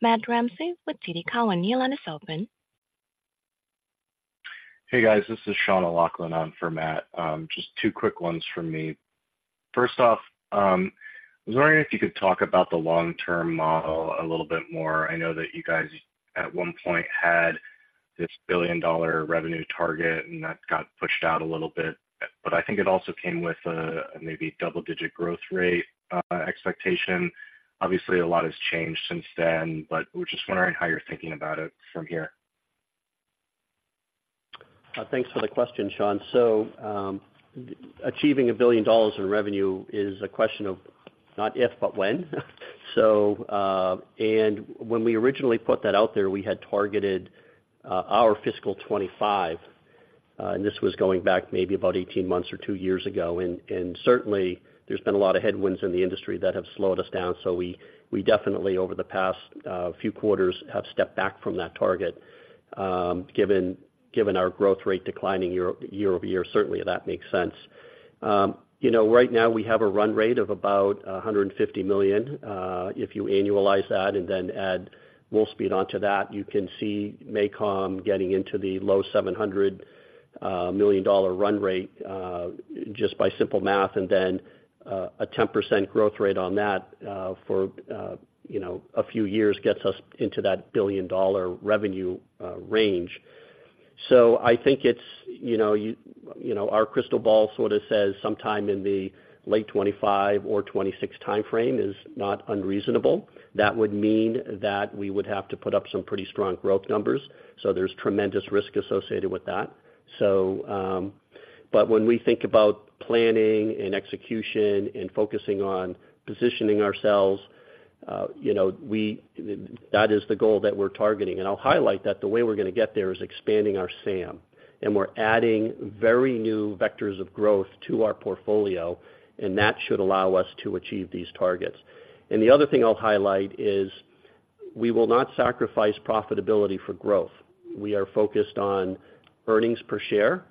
Matt Ramsey with Citi. Your line is open. Hey, guys, this is Sean O'Loughlin on for Matt. Just two quick ones from me. First off, I was wondering if you could talk about the long-term model a little bit more. I know that you guys, at one point, had this billion-dollar revenue target, and that got pushed out a little bit, but I think it also came with a, maybe double-digit growth rate, expectation. Obviously, a lot has changed since then, but we're just wondering how you're thinking about it from here. Thanks for the question, Sean. Achieving $1 billion in revenue is a question of not if, but when. When we originally put that out there, we had targeted our fiscal 2025, and this was going back maybe about 18 months or 2 years ago. And certainly, there's been a lot of headwinds in the industry that have slowed us down. We definitely, over the past few quarters, have stepped back from that target. Given our growth rate declining year-over-year, certainly that makes sense. You know, right now, we have a run rate of about $150 million. If you annualize that and then add Wolfspeed onto that, you can see MACOM getting into the low $700 million run rate just by simple math, and then a 10% growth rate on that for you know a few years gets us into that billion-dollar revenue range. So I think it's you know our crystal ball sort of says sometime in the late 2025 or 2026 timeframe is not unreasonable. That would mean that we would have to put up some pretty strong growth numbers, so there's tremendous risk associated with that. So but when we think about planning and execution and focusing on positioning ourselves you know we That is the goal that we're targeting. I'll highlight that the way we're gonna get there is expanding our SAM, and we're adding very new vectors of growth to our portfolio, and that should allow us to achieve these targets. The other thing I'll highlight is-... We will not sacrifice profitability for growth. We are focused on earnings per share,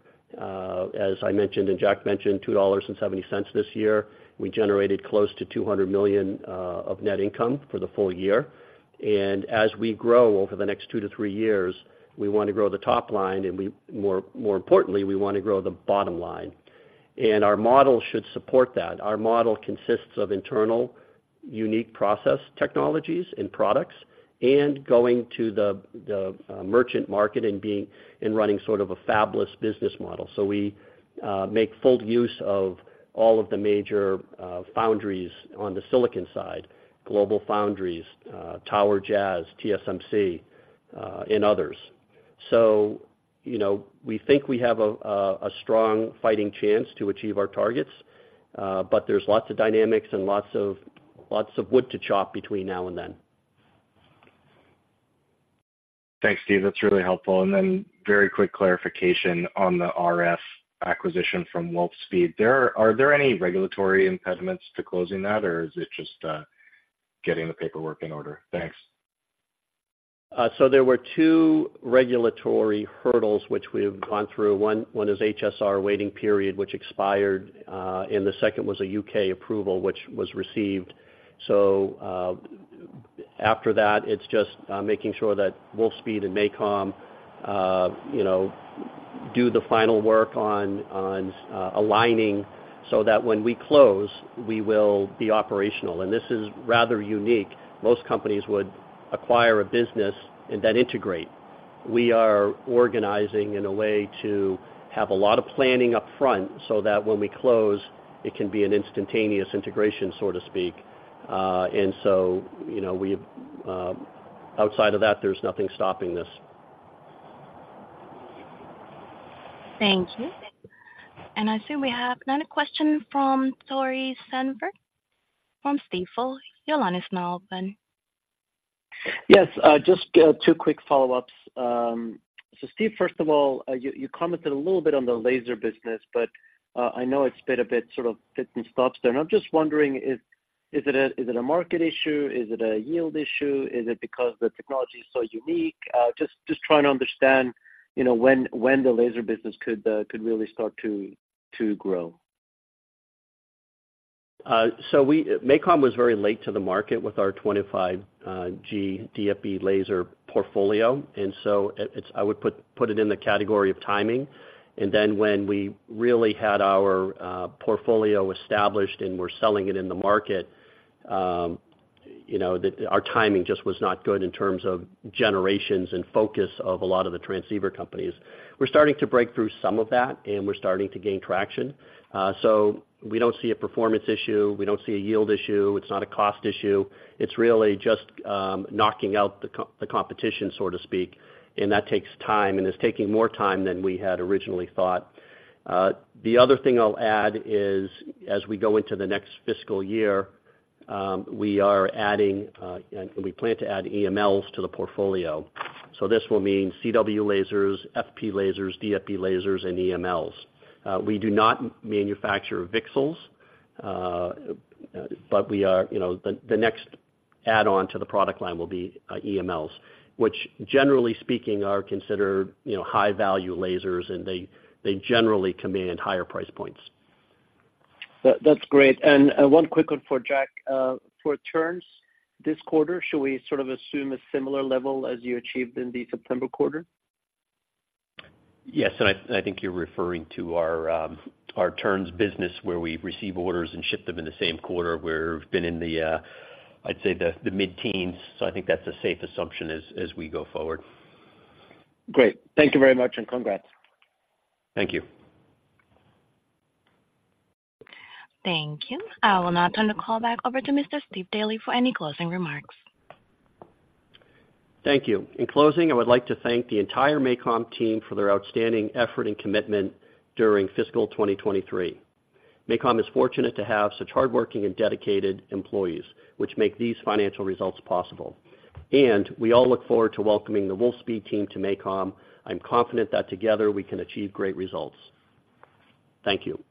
as I mentioned and Jack mentioned, $2.70 this year. We generated close to $200 million of net income for the full year. And as we grow over the next 2-3 years, we want to grow the top line, and we, more importantly, we want to grow the bottom line. And our model should support that. Our model consists of internal, unique process technologies and products, and going to the merchant market and being, and running sort of a fabless business model. So we make full use of all of the major foundries on the silicon side, GlobalFoundries, TowerJazz, TSMC, and others. You know, we think we have a strong fighting chance to achieve our targets, but there's lots of dynamics and lots of wood to chop between now and then. Thanks, Steve. That's really helpful. And then very quick clarification on the RF acquisition from Wolfspeed. There are, are there any regulatory impediments to closing that, or is it just, getting the paperwork in order? Thanks. So there were two regulatory hurdles which we've gone through. One is HSR waiting period, which expired, and the second was a U.K. approval, which was received. So, after that, it's just making sure that Wolfspeed and MACOM, you know, do the final work on, on, aligning so that when we close, we will be operational. And this is rather unique. Most companies would acquire a business and then integrate. We are organizing in a way to have a lot of planning up front, so that when we close, it can be an instantaneous integration, so to speak. And so, you know, we've outside of that, there's nothing stopping this. Thank you. I see we have another question from Tore Svanberg from Stifel. Your line is now open. Yes, just two quick follow-ups. So Steve, first of all, you commented a little bit on the laser business, but I know it's been a bit sort of fits and starts there. And I'm just wondering, is it a market issue? Is it a yield issue? Is it because the technology is so unique? Just trying to understand, you know, when the laser business could really start to grow. So MACOM was very late to the market with our 25G DFB laser portfolio, and so it, it's, I would put it in the category of timing. And then when we really had our portfolio established and were selling it in the market, you know, the, our timing just was not good in terms of generations and focus of a lot of the transceiver companies. We're starting to break through some of that, and we're starting to gain traction. So we don't see a performance issue, we don't see a yield issue, it's not a cost issue. It's really just knocking out the competition, so to speak, and that takes time, and it's taking more time than we had originally thought. The other thing I'll add is, as we go into the next fiscal year, we are adding, and we plan to add EMLs to the portfolio. So this will mean CW lasers, FP lasers, DFB lasers, and EMLs. We do not manufacture VCSELs, but we are, you know, the, the next add-on to the product line will be, EMLs, which, generally speaking, are considered, you know, high-value lasers, and they, they generally command higher price points. That, that's great. And, one quick one for Jack. For turns this quarter, should we sort of assume a similar level as you achieved in the September quarter? Yes, and I think you're referring to our turns business where we receive orders and ship them in the same quarter, where we've been in the mid-teens, so I think that's a safe assumption as we go forward. Great. Thank you very much, and congrats. Thank you. Thank you. I will now turn the call back over to Mr. Stephen Daly for any closing remarks. Thank you. In closing, I would like to thank the entire MACOM team for their outstanding effort and commitment during fiscal 2023. MACOM is fortunate to have such hardworking and dedicated employees, which make these financial results possible. We all look forward to welcoming the Wolfspeed team to MACOM. I'm confident that together, we can achieve great results. Thank you.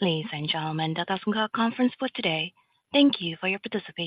Ladies and gentlemen, that does conclude our conference for today. Thank you for your participation.